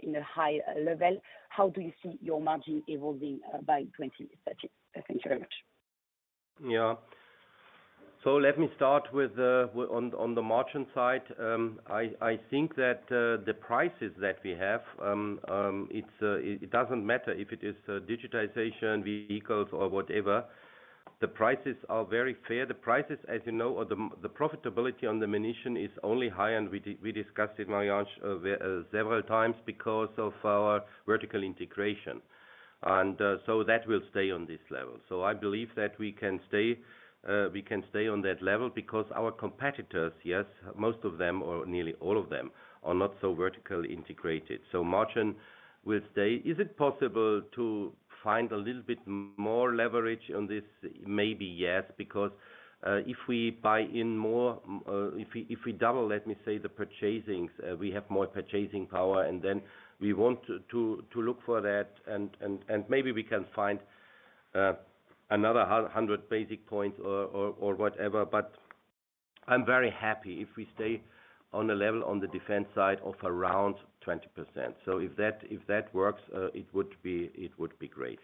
G: in a high level, how do you see your margin evolving by 2030? Thank you very much.
C: Yeah. Let me start with on the margin side. I think that the prices that we have, it does not matter if it is digitization, vehicles, or whatever. The prices are very fair. The prices, as you know, the profitability on the munition is only high, and we discussed it, Marie-Ange, several times because of our vertical integration. That will stay on this level. I believe that we can stay on that level because our competitors, yes, most of them or nearly all of them are not so vertically integrated. Margin will stay. Is it possible to find a little bit more leverage on this? Maybe yes, because if we buy in more, if we double, let me say, the purchasings, we have more purchasing power, and then we want to look for that. Maybe we can find another 100 basis points or whatever. I'm very happy if we stay on a level on the defense side of around 20%. If that works, it would be great.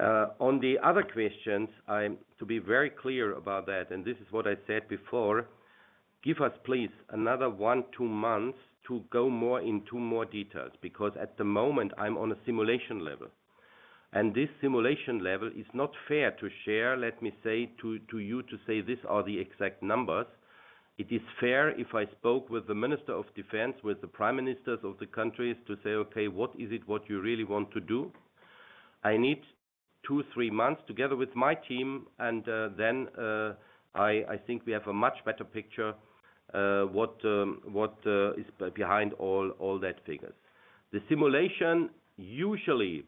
C: On the other questions, to be very clear about that, and this is what I said before, give us please another one, two months to go more into more details, because at the moment I'm on a simulation level. This simulation level is not fair to share, let me say, to you to say these are the exact numbers. It is fair if I spoke with the Minister of Defense, with the Prime Ministers of the countries to say, okay, what is it what you really want to do? I need two, three months together with my team, and then I think we have a much better picture what is behind all that figures. The simulation, usually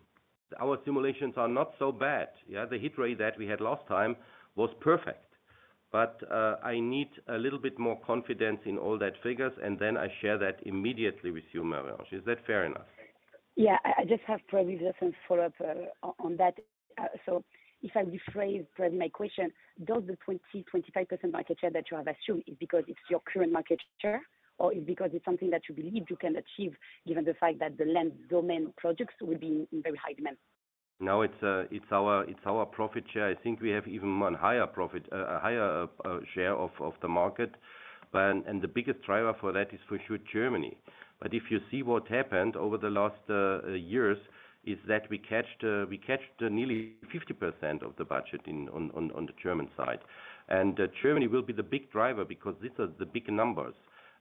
C: our simulations are not so bad. The hit rate that we had last time was perfect. I need a little bit more confidence in all that figures, and then I share that immediately with you, Marie-Ange. Is that fair enough?
G: Yeah. I just have probably just a follow-up on that. If I rephrase my question, does the 20-25% market share that you have assumed, is it because it's your current market share or is it because it's something that you believe you can achieve given the fact that the land domain projects will be in very high demand?
C: No, it's our profit share. I think we have even a higher profit, a higher share of the market. The biggest driver for that is for sure Germany. If you see what happened over the last years, is that we catch nearly 50% of the budget on the German side. Germany will be the big driver because these are the big numbers.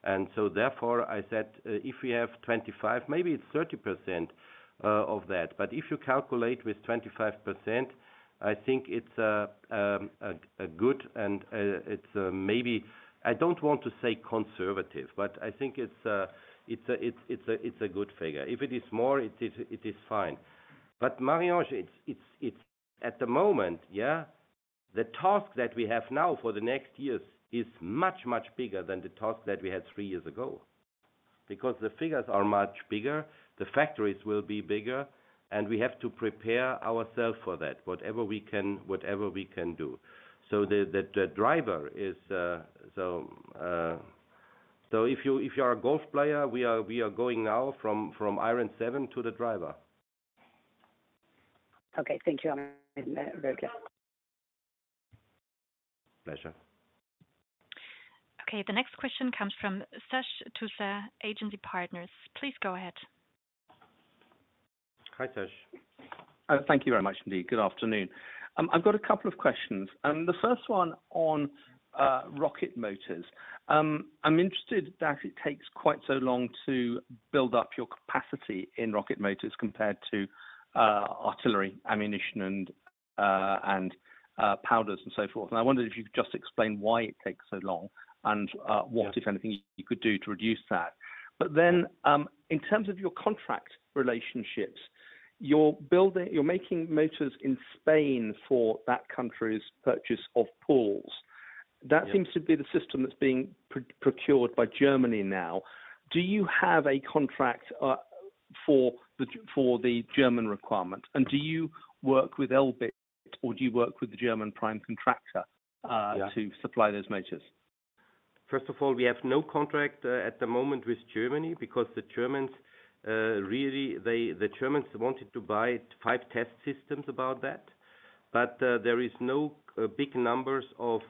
C: Therefore, I said if we have 25%, maybe it's 30% of that. If you calculate with 25%, I think it's a good and it's maybe, I don't want to say conservative, but I think it's a good figure. If it is more, it is fine. Marie-Ange, at the moment, yeah, the task that we have now for the next years is much, much bigger than the task that we had three years ago, because the figures are much bigger, the factories will be bigger, and we have to prepare ourselves for that, whatever we can do. The driver is, if you are a golf player, we are going now from iron seven to the driver.
G: Okay. Thank you. I'm very glad.
C: Pleasure.
A: Okay. The next question comes from Sash Tusa, Agency Partners. Please go ahead.
C: Hi, Sesh.
H: Thank you very much, indeed. Good afternoon. I've got a couple of questions. The first one on rocket motors. I'm interested that it takes quite so long to build up your capacity in rocket motors compared to artillery, ammunition, and powders and so forth. I wondered if you could just explain why it takes so long and what, if anything, you could do to reduce that. In terms of your contract relationships, you're making motors in Spain for that country's purchase of pools. That seems to be the system that's being procured by Germany now. Do you have a contract for the German requirement? Do you work with Elbit or do you work with the German prime contractor to supply those motors?
C: First of all, we have no contract at the moment with Germany because the Germans really, the Germans wanted to buy five test systems about that. There are no big numbers of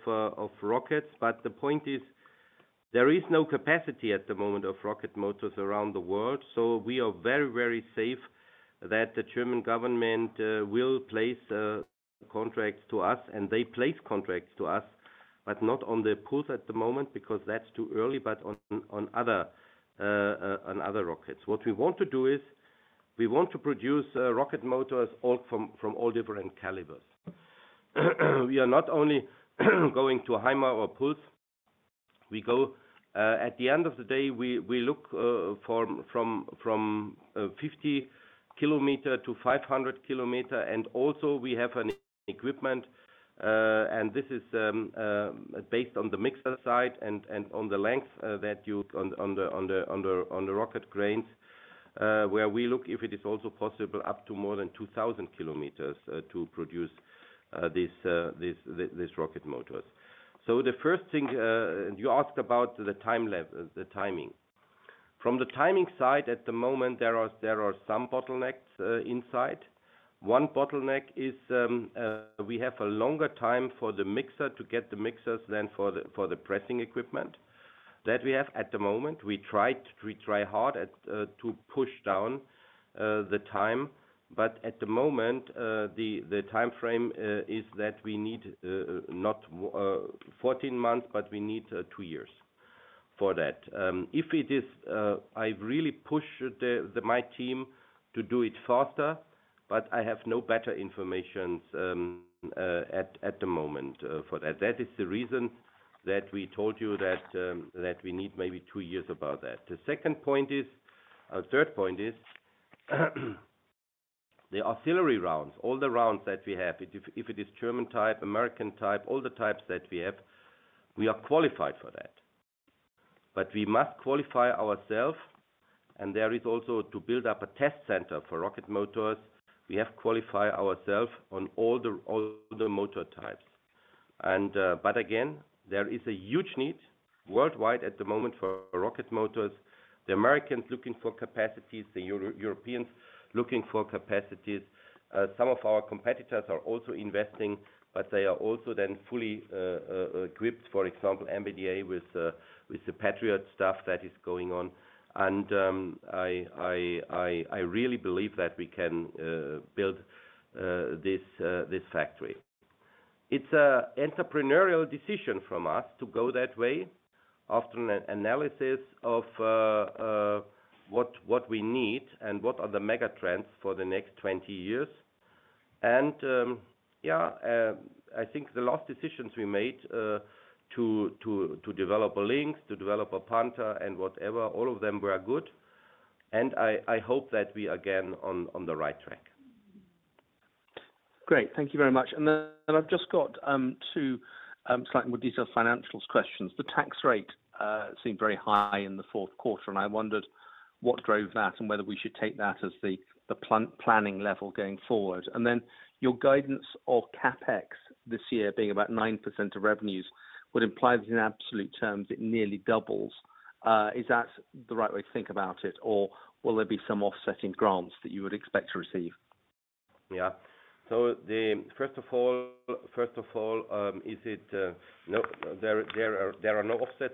C: rockets. The point is there is no capacity at the moment of rocket motors around the world. We are very, very safe that the German government will place contracts to us, and they place contracts to us, but not on the pools at the moment because that's too early, but on other rockets. What we want to do is we want to produce rocket motors from all different calibers. We are not only going to Heimer or pools. At the end of the day, we look from 50 km to 500 km. Also, we have an equipment, and this is based on the mixer side and on the length that you on the rocket cranes, where we look if it is also possible up to more than 2,000 km to produce these rocket motors. The first thing, you asked about the timing. From the timing side, at the moment, there are some bottlenecks inside. One bottleneck is we have a longer time for the mixer to get the mixers than for the pressing equipment that we have at the moment. We tried to try hard to push down the time, but at the moment, the time frame is that we need not 14 months, but we need two years for that. If it is, I've really pushed my team to do it faster, but I have no better information at the moment for that. That is the reason that we told you that we need maybe two years about that. The second point is, the third point is the artillery rounds, all the rounds that we have, if it is German type, American type, all the types that we have, we are qualified for that. We must qualify ourselves, and there is also to build up a test center for rocket motors. We have qualified ourselves on all the motor types. There is a huge need worldwide at the moment for rocket motors. The Americans are looking for capacities, the Europeans are looking for capacities. Some of our competitors are also investing, but they are also then fully equipped, for example, MBDA with the Patriot stuff that is going on. I really believe that we can build this factory. It's an entrepreneurial decision from us to go that way after an analysis of what we need and what are the megatrends for the next 20 years. Yeah, I think the last decisions we made to develop a Lynx, to develop a Panther and whatever, all of them were good. I hope that we are again on the right track.
H: Great. Thank you very much. I have just got two slightly more detailed financials questions. The tax rate seemed very high in the fourth quarter, and I wondered what drove that and whether we should take that as the planning level going forward. Your guidance on CapEx this year being about 9% of revenues would imply that in absolute terms it nearly doubles. Is that the right way to think about it, or will there be some offsetting grants that you would expect to receive?
C: Yeah. First of all, there are no offset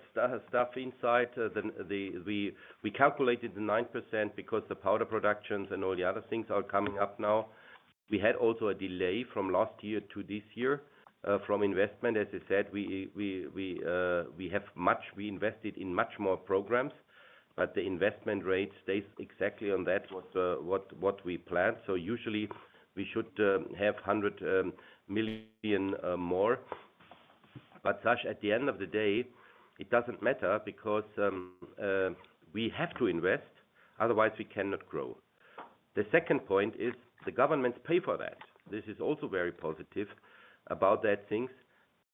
C: stuff inside. We calculated the 9% because the powder productions and all the other things are coming up now. We had also a delay from last year to this year from investment. As I said, we have much, we invested in much more programs, but the investment rate stays exactly on that what we planned. Usually, we should have 100 million more. Sash, at the end of the day, it doesn't matter because we have to invest, otherwise we cannot grow. The second point is the governments pay for that. This is also very positive about that things.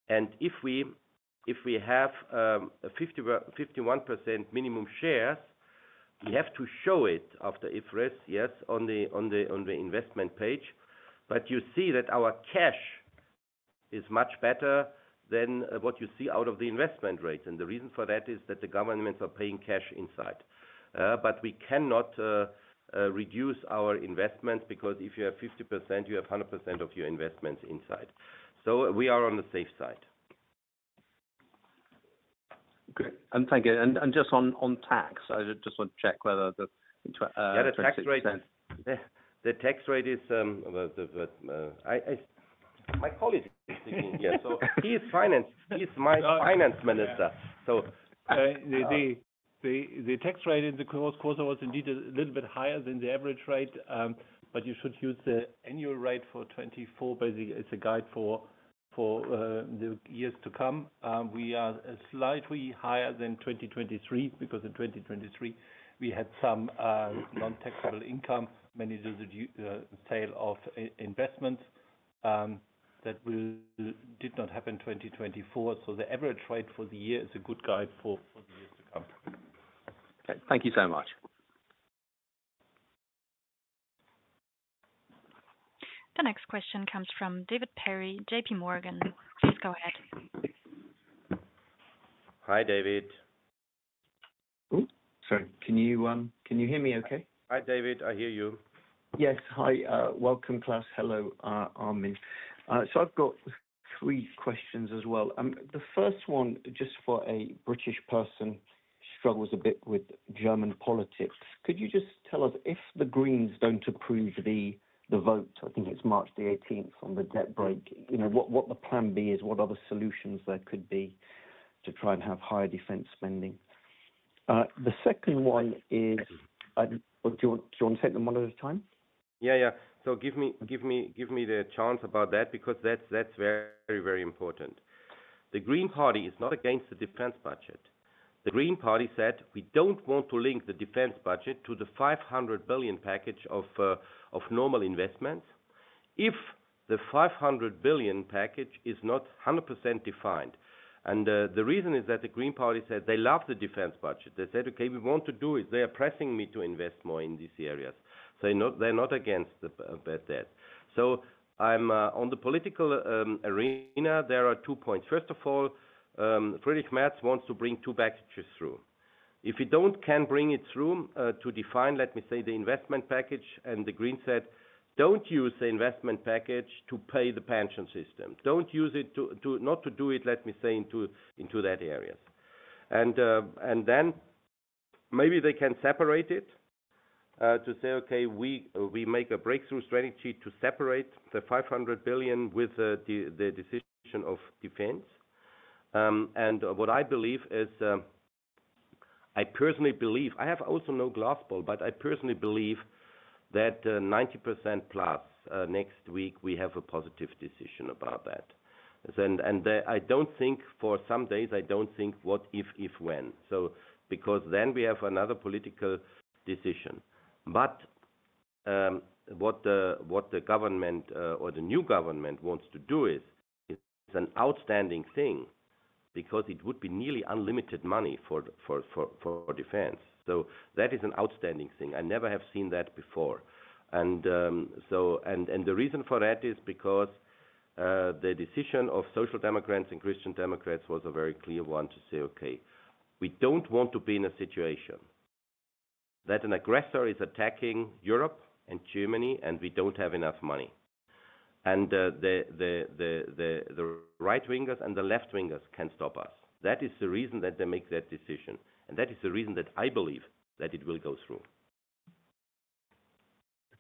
C: If we have 51% minimum shares, we have to show it after IFRS, yes, on the investment page. You see that our cash is much better than what you see out of the investment rate. The reason for that is that the governments are paying cash inside. We cannot reduce our investments because if you have 50%, you have 100% of your investments inside. We are on the safe side.
H: Great. Thank you. Just on tax, I just want to check whether the tax rate.
B: Yeah, the tax rate is my colleague is speaking here. He is finance, he is my finance minister.
C: The tax rate in the course was indeed a little bit higher than the average rate, but you should use the annual rate for 2024, basically as a guide for the years to come. We are slightly higher than 2023 because in 2023 we had some non-taxable income, mainly the sale of investments that did not happen in 2024. The average rate for the year is a good guide for the years to come. Thank you so much.
A: The next question comes from David Perry, J.P. Morgan. Please go ahead.
C: Hi, David.
I: Sorry, can you hear me okay?
B: Hi, David. I hear you.
E: Yes. Hi. Welcome, Klaus. Hello, Armin. I've got three questions as well. The first one, just for a British person who struggles a bit with German politics, could you just tell us if the Greens don't approve the vote, I think it's March the 18th on the debt break, what the plan B is, what other solutions there could be to try and have higher defense spending? The second one is, do you want to take them one at a time?
B: Yeah. Give me the chance about that because that's very, very important. The Green Party is not against the defense budget. The Green Party said we don't want to link the defense budget to the 500 billion package of normal investments if the 500 billion package is not 100% defined. The reason is that the Green Party said they love the defense budget. They said, "Okay, we want to do it. They are pressing me to invest more in these areas." They're not against that. On the political arena, there are two points. First of all, Friedrich Merz wants to bring two packages through. If he don't can bring it through to define, let me say, the investment package, and the Greens said, "Don't use the investment package to pay the pension system. Don't use it not to do it, let me say, into that areas. Maybe they can separate it to say, "Okay, we make a breakthrough strategy to separate the 500 billion with the decision of defense." What I believe is, I personally believe, I have also no glass ball, but I personally believe that 90% plus next week we have a positive decision about that. I don't think for some days, I don't think what, if, when, because we have another political decision. What the government or the new government wants to do is an outstanding thing because it would be nearly unlimited money for defense. That is an outstanding thing. I never have seen that before. The reason for that is because the decision of Social Democrats and Christian Democrats was a very clear one to say, "Okay, we don't want to be in a situation that an aggressor is attacking Europe and Germany and we don't have enough money. The right wingers and the left wingers can stop us." That is the reason that they make that decision. That is the reason that I believe that it will go through.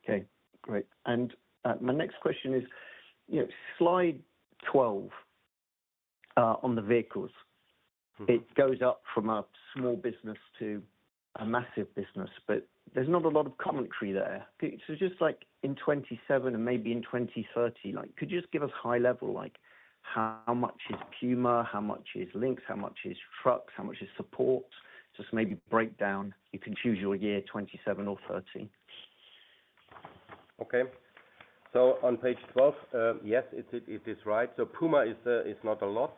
I: Okay. Great. My next question is slide 12 on the vehicles. It goes up from a small business to a massive business, but there's not a lot of commentary there. Just like in 2027 and maybe in 2030, could you just give us high level like how much is Puma, how much is Lynx, how much is trucks, how much is support? Just maybe break down, you can choose your year, 2027 or 2030.
B: Okay. On page 12, yes, it is right. Puma is not a lot.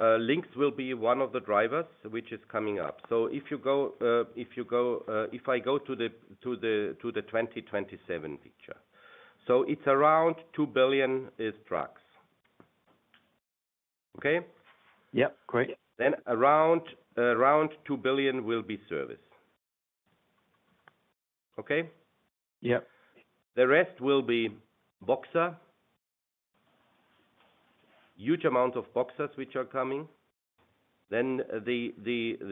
B: Lynx will be one of the drivers, which is coming up. If you go to the 2027 picture, it is around 2 billion is trucks. Okay?
I: Yeah. Great.
B: Around 2 billion will be service. Okay?
I: Yeah.
B: The rest will be Boxer, huge amount of Boxers which are coming. Then the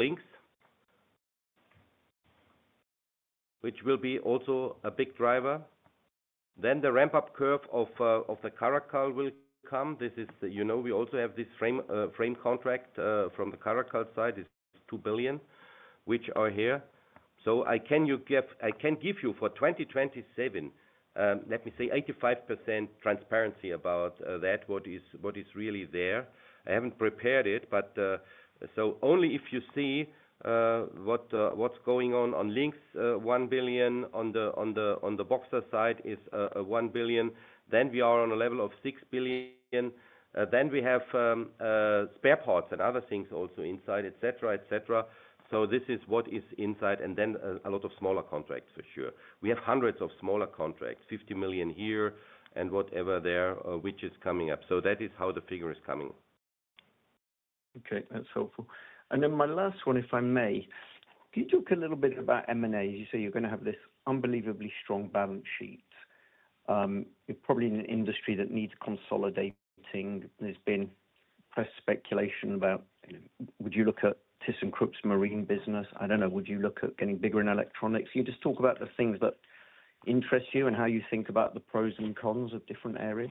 B: Lynx, which will be also a big driver. Then the ramp-up curve of the Caracal will come. We also have this frame contract from the Caracal side, it's 2 billion, which are here. I can give you for 2027, let me say, 85% transparency about that, what is really there. I haven't prepared it, but only if you see what's going on. Lynx, 1 billion on the Boxer side is 1 billion. Then we are on a level of 6 billion. Then we have spare parts and other things also inside, etc., etc. This is what is inside. Then a lot of smaller contracts for sure. We have hundreds of smaller contracts, 50 million here and whatever there, which is coming up. That is how the figure is coming.
I: Okay. That's helpful. Then my last one, if I may, can you talk a little bit about M&A? You say you're going to have this unbelievably strong balance sheet. You're probably in an industry that needs consolidating. There's been press speculation about, would you look at ThyssenKrupp's marine business? I don't know, would you look at getting bigger in electronics? Can you just talk about the things that interest you and how you think about the pros and cons of different areas?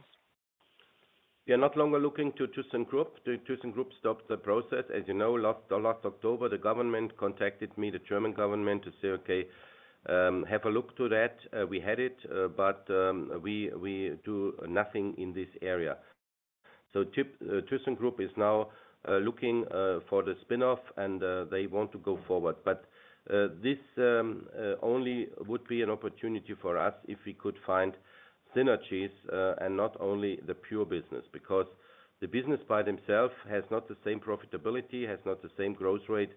B: Yeah. Not longer looking to ThyssenKrupp. ThyssenKrupp stopped the process. As you know, last October, the government contacted me, the German government, to say, "Okay, have a look to that." We had it, but we do nothing in this area. ThyssenKrupp is now looking for the spinoff, and they want to go forward. This only would be an opportunity for us if we could find synergies and not only the pure business because the business by themself has not the same profitability, has not the same growth rate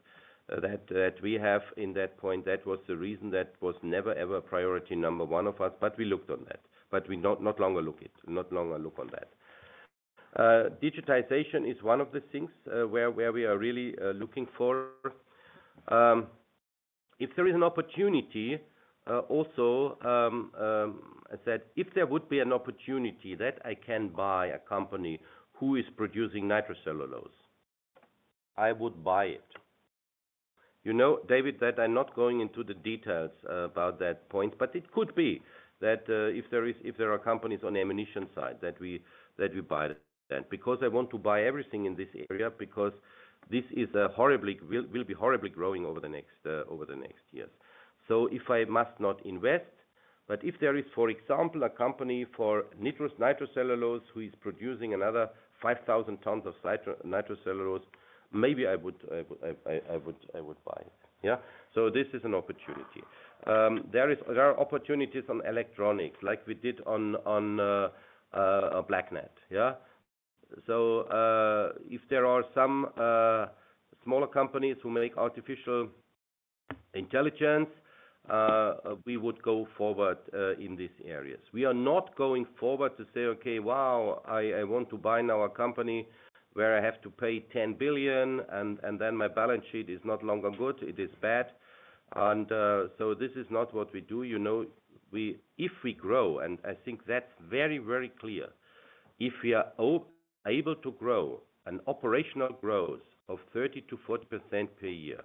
B: that we have in that point. That was the reason that was never, ever a priority number one of us, but we looked on that. We not longer look it, not longer look on that. Digitization is one of the things where we are really looking for. If there is an opportunity also, I said, if there would be an opportunity that I can buy a company who is producing nitrocellulose, I would buy it. You know, David, that I'm not going into the details about that point, but it could be that if there are companies on the ammunition side that we buy that because I want to buy everything in this area because this will be horribly growing over the next years. If I must not invest, but if there is, for example, a company for nitrocellulose who is producing another 5,000 tons of nitrocellulose, maybe I would buy it. Yeah. This is an opportunity. There are opportunities on electronics like we did on BlackNet. Yeah. If there are some smaller companies who make artificial intelligence, we would go forward in these areas. We are not going forward to say, "Okay, wow, I want to buy now a company where I have to pay 10 billion and then my balance sheet is not longer good." It is bad. This is not what we do. If we grow, and I think that's very, very clear, if we are able to grow an operational growth of 30%-40% per year,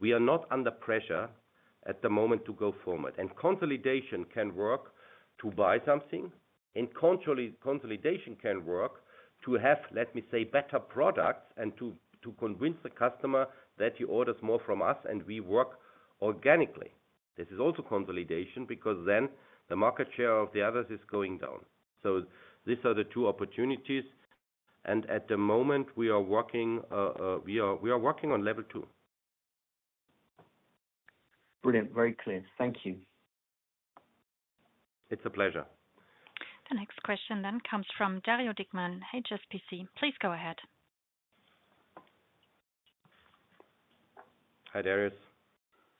B: we are not under pressure at the moment to go forward. Consolidation can work to buy something, and consolidation can work to have, let me say, better products and to convince the customer that he orders more from us and we work organically. This is also consolidation because then the market share of the others is going down. These are the two opportunities. At the moment, we are working on level two.
I: Brilliant. Very clear. Thank you.
B: It's a pleasure.
A: The next question then comes from Dario Dickmann, HSBC. Please go ahead.
B: Hi, Dario.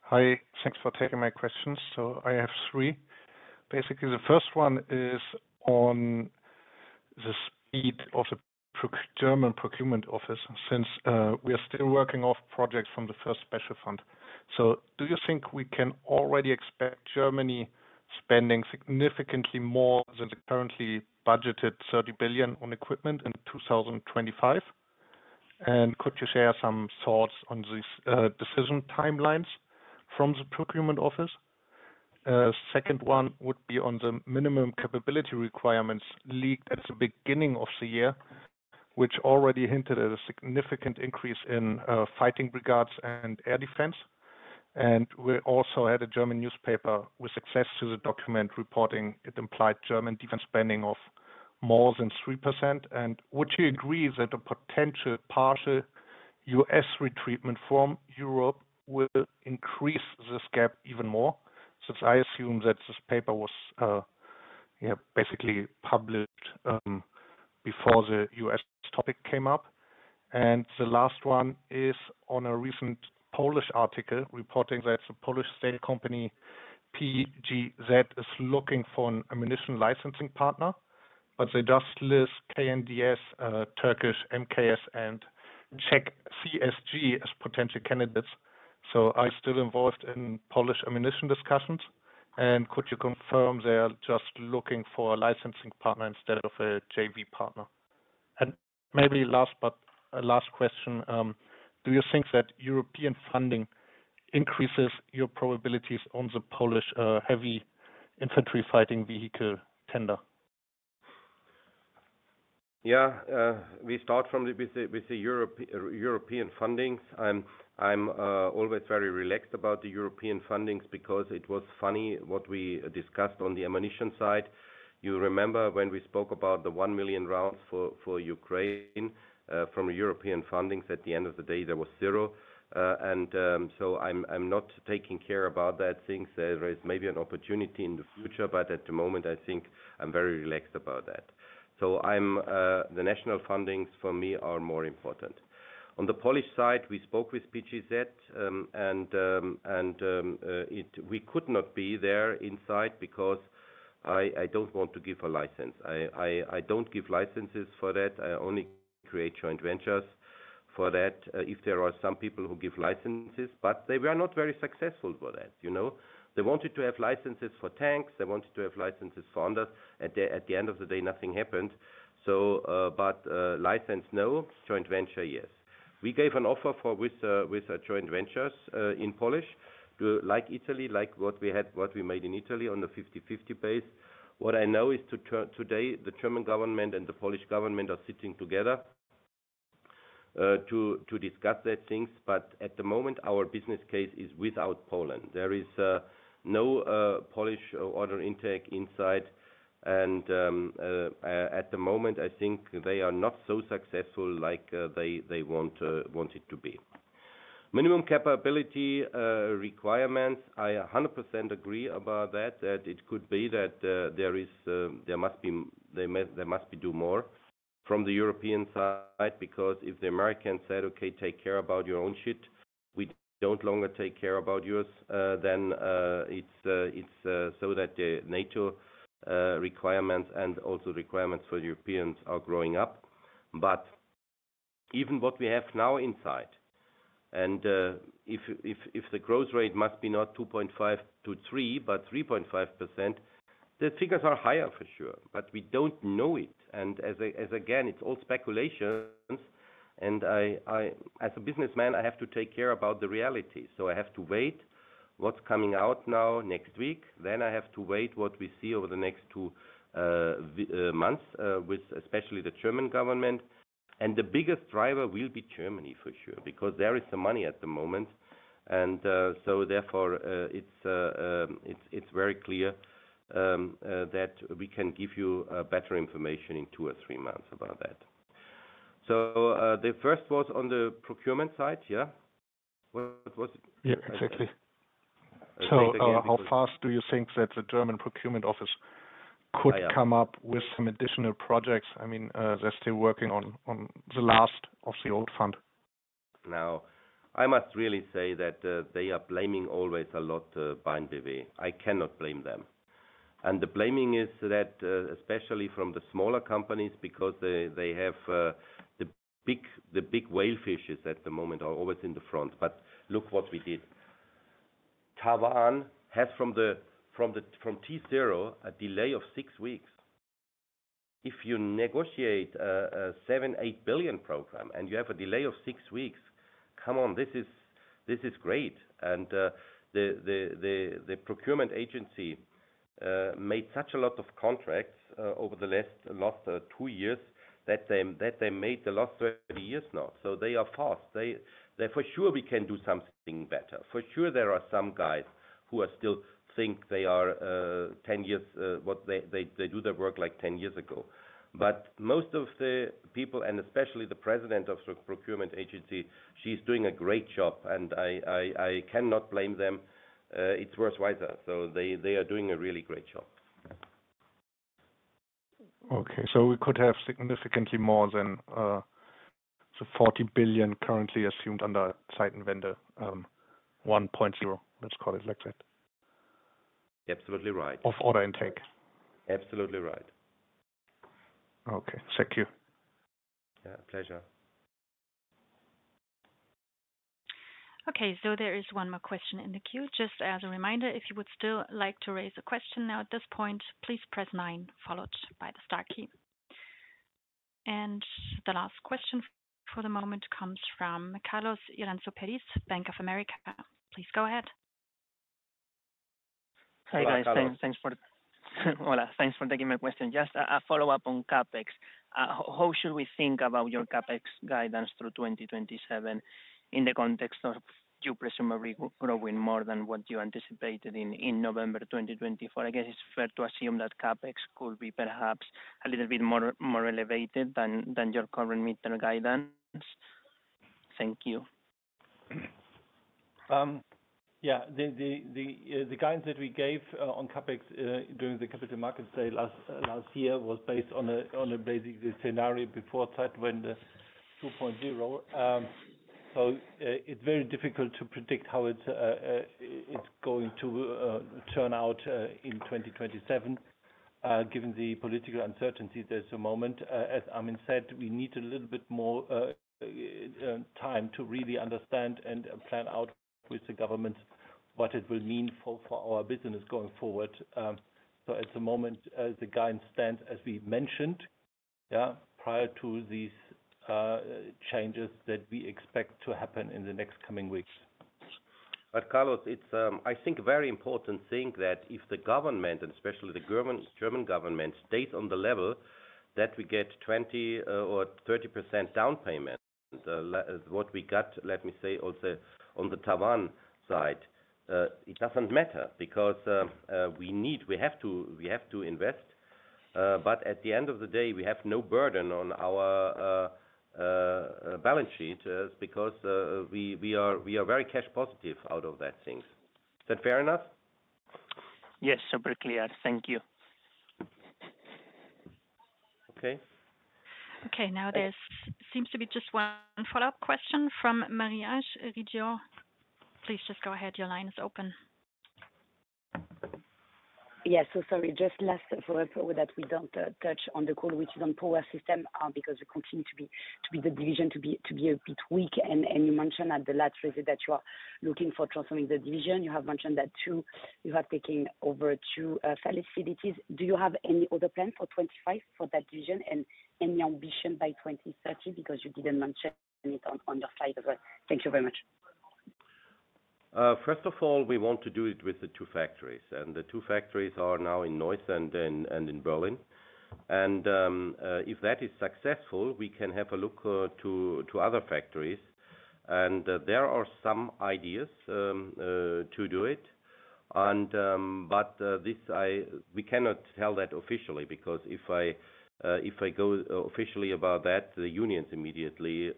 J: Hi. Thanks for taking my questions. I have three. Basically, the first one is on the speed of the German procurement office since we are still working off projects from the first special fund. Do you think we can already expect Germany spending significantly more than the currently budgeted 30 billion on equipment in 2025? Could you share some thoughts on these decision timelines from the procurement office? Second one would be on the minimum capability requirements leaked at the beginning of the year, which already hinted at a significant increase in fighting regards and air defense. We also had a German newspaper with access to the document reporting it implied German defense spending of more than 3%. Would you agree that a potential partial U.S. retreatment from Europe will increase this gap even more? I assume that this paper was basically published before the U.S. topic came up. The last one is on a recent Polish article reporting that the Polish state company PGZ is looking for an ammunition licensing partner, but they just list KNDS, Turkish MKS, and Czech CSG as potential candidates. I'm still involved in Polish ammunition discussions. Could you confirm they are just looking for a licensing partner instead of a JV partner? Maybe last question, do you think that European funding increases your probabilities on the Polish heavy infantry fighting vehicle tender?
B: Yeah. We start from the European fundings. I'm always very relaxed about the European fundings because it was funny what we discussed on the ammunition side. You remember when we spoke about the 1 million rounds for Ukraine from European fundings? At the end of the day, there was zero. I'm not taking care about that thing. There is maybe an opportunity in the future, but at the moment, I think I'm very relaxed about that. The national fundings for me are more important. On the Polish side, we spoke with PGZ, and we could not be there inside because I don't want to give a license. I don't give licenses for that. I only create joint ventures for that if there are some people who give licenses, but they were not very successful for that. They wanted to have licenses for tanks. They wanted to have licenses for others. At the end of the day, nothing happened. License, no. Joint venture, yes. We gave an offer with joint ventures in Polish, like Italy, like what we made in Italy on the 50/50 base. What I know is today, the German government and the Polish government are sitting together to discuss that things, but at the moment, our business case is without Poland. There is no Polish order intake inside. At the moment, I think they are not so successful like they want it to be. Minimum capability requirements, I 100% agree about that. It could be that there must be do more from the European side because if the Americans said, "Okay, take care about your own shit. We don't longer take care about yours," then it's so that the NATO requirements and also requirements for the Europeans are growing up. Even what we have now inside, if the growth rate must be not 2.5-3%, but 3.5%, the figures are higher for sure, but we do not know it. Again, it is all speculations. As a businessman, I have to take care about the reality. I have to wait for what is coming out now next week. I have to wait for what we see over the next two months, especially the German government. The biggest driver will be Germany for sure because there is some money at the moment. Therefore, it is very clear that we can give you better information in two or three months about that. The first was on the procurement side. Yeah?
J: Yeah. Exactly. How fast do you think that the German procurement office could come up with some additional projects? They're still working on the last of the old fund.
B: Now, I must really say that they are blaming always a lot BNPB. I cannot blame them. The blaming is that especially from the smaller companies because they have the big whale fishes at the moment are always in the front. Look what we did. Tavan has from T0 a delay of six weeks. If you negotiate a 7-8 billion program and you have a delay of six weeks, come on, this is great. The procurement agency made such a lot of contracts over the last two years that they made the last 30 years now. They are fast. For sure, we can do something better. For sure, there are some guys who still think they are 10 years they do their work like 10 years ago. Most of the people, and especially the President of the procurement agency, she's doing a great job, and I cannot blame them. It's worthwhile. They are doing a really great job.
J: Okay. We could have significantly more than the 40 billion currently assumed under Zeitenwende 1.0, let's call it like that.
B: Absolutely right.
J: Of order intake.
B: Absolutely right.
J: Okay. Thank you.
C: Yeah. Pleasure.
A: Okay. There is one more question in the queue. Just as a reminder, if you would still like to raise a question now at this point, please press 9, followed by the star key. The last question for the moment comes from Carlos Iranzo-Peris, Bank of America. Please go ahead.
K: Hi guys. Thanks for taking my question. Just a follow-up on CapEx. How should we think about your CapEx guidance through 2027 in the context of you presumably growing more than what you anticipated in November 2024? I guess it's fair to assume that CapEx could be perhaps a little bit more elevated than your current mid-term guidance. Thank you.
C: Yeah. The guidance that we gave on CapEx during the capital markets day last year was based on a basic scenario before that when the 2.0. It's very difficult to predict how it's going to turn out in 2027 given the political uncertainty there is at the moment. As Armin said, we need a little bit more time to really understand and plan out with the government what it will mean for our business going forward. At the moment, the guidance stands, as we mentioned, prior to these changes that we expect to happen in the next coming weeks. Carlos, I think it's a very important thing that if the government, and especially the German government, stays on the level that we get 20% or 30% down payment, what we got, let me say, also on the Tavan side, it doesn't matter because we have to invest. At the end of the day, we have no burden on our balance sheet because we are very cash positive out of that. Is that fair enough?
K: Yes. Super clear. Thank you.
C: Okay.
A: Okay. Now, there seems to be just one follow-up question from Marie-Ange Riggio. Please just go ahead. Your line is open.
G: Yes. Sorry. Just last for that, we do not touch on the call, which is on power system because we continue to be the division to be a bit weak. You mentioned at the last visit that you are looking for transforming the division. You have mentioned that you are taking over two facilities. Do you have any other plans for 2025 for that division and any ambition by 2030? Because you did not mention it on your slide as well. Thank you very much.
B: First of all, we want to do it with the two factories. The two factories are now in Neuss and in Berlin. If that is successful, we can have a look to other factories. There are some ideas to do it. We cannot tell that officially because if I go officially about that, the unions immediately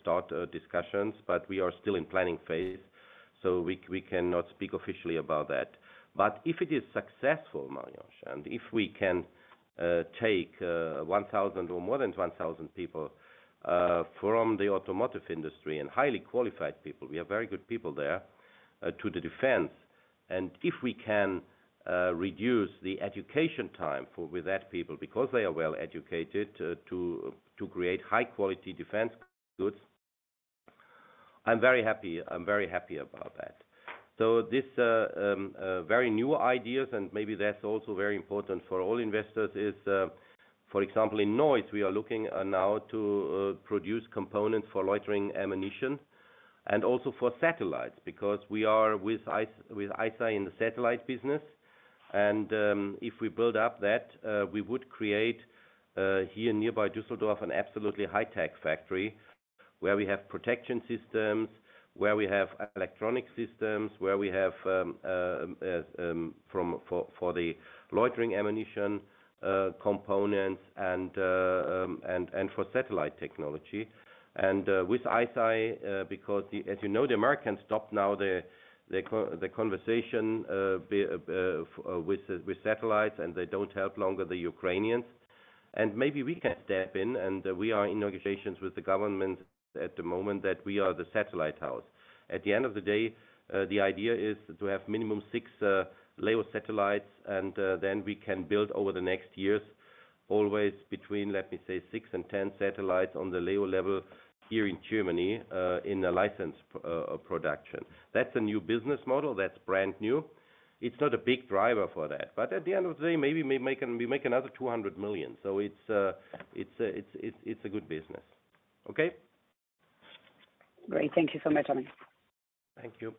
B: start discussions. We are still in planning phase, so we cannot speak officially about that. If it is successful, Maria, if we can take 1,000 or more than 1,000 people from the automotive industry and highly qualified people, we have very good people there, to the defense. If we can reduce the education time with that people because they are well educated to create high-quality defense goods, I'm very happy. I'm very happy about that. These very new ideas, and maybe that's also very important for all investors, is, for example, in Neuss, we are looking now to produce components for loitering ammunition and also for satellites because we are with Einstein in the satellite business. If we build up that, we would create here nearby Düsseldorf an absolutely high-tech factory where we have protection systems, where we have electronic systems, where we have for the loitering ammunition components and for satellite technology. With Einstein, because as you know, the Americans stopped now the conversation with satellites, and they don't help longer the Ukrainians. Maybe we can step in, and we are in negotiations with the government at the moment that we are the satellite house. At the end of the day, the idea is to have minimum six Leo satellites, and then we can build over the next years always between, let me say, six and 10 satellites on the Leo level here in Germany in a license production. That is a new business model. That is brand new. It is not a big driver for that. At the end of the day, maybe we make another 200 million. It is a good business. Okay?
G: Great. Thank you so much, Armin.
B: Thank you.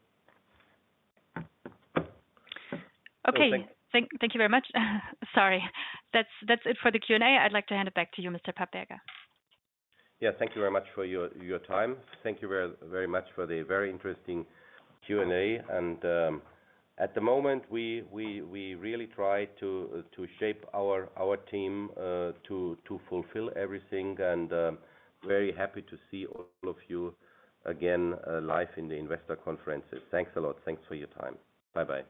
A: Okay. Thank you very much. Sorry. That's it for the Q&A. I'd like to hand it back to you, Mr. Papperger.
C: Yeah. Thank you very much for your time. Thank you very much for the very interesting Q&A. At the moment, we really try to shape our team to fulfill everything. Very happy to see all of you again live in the investor conferences. Thanks a lot. Thanks for your time. Bye-bye.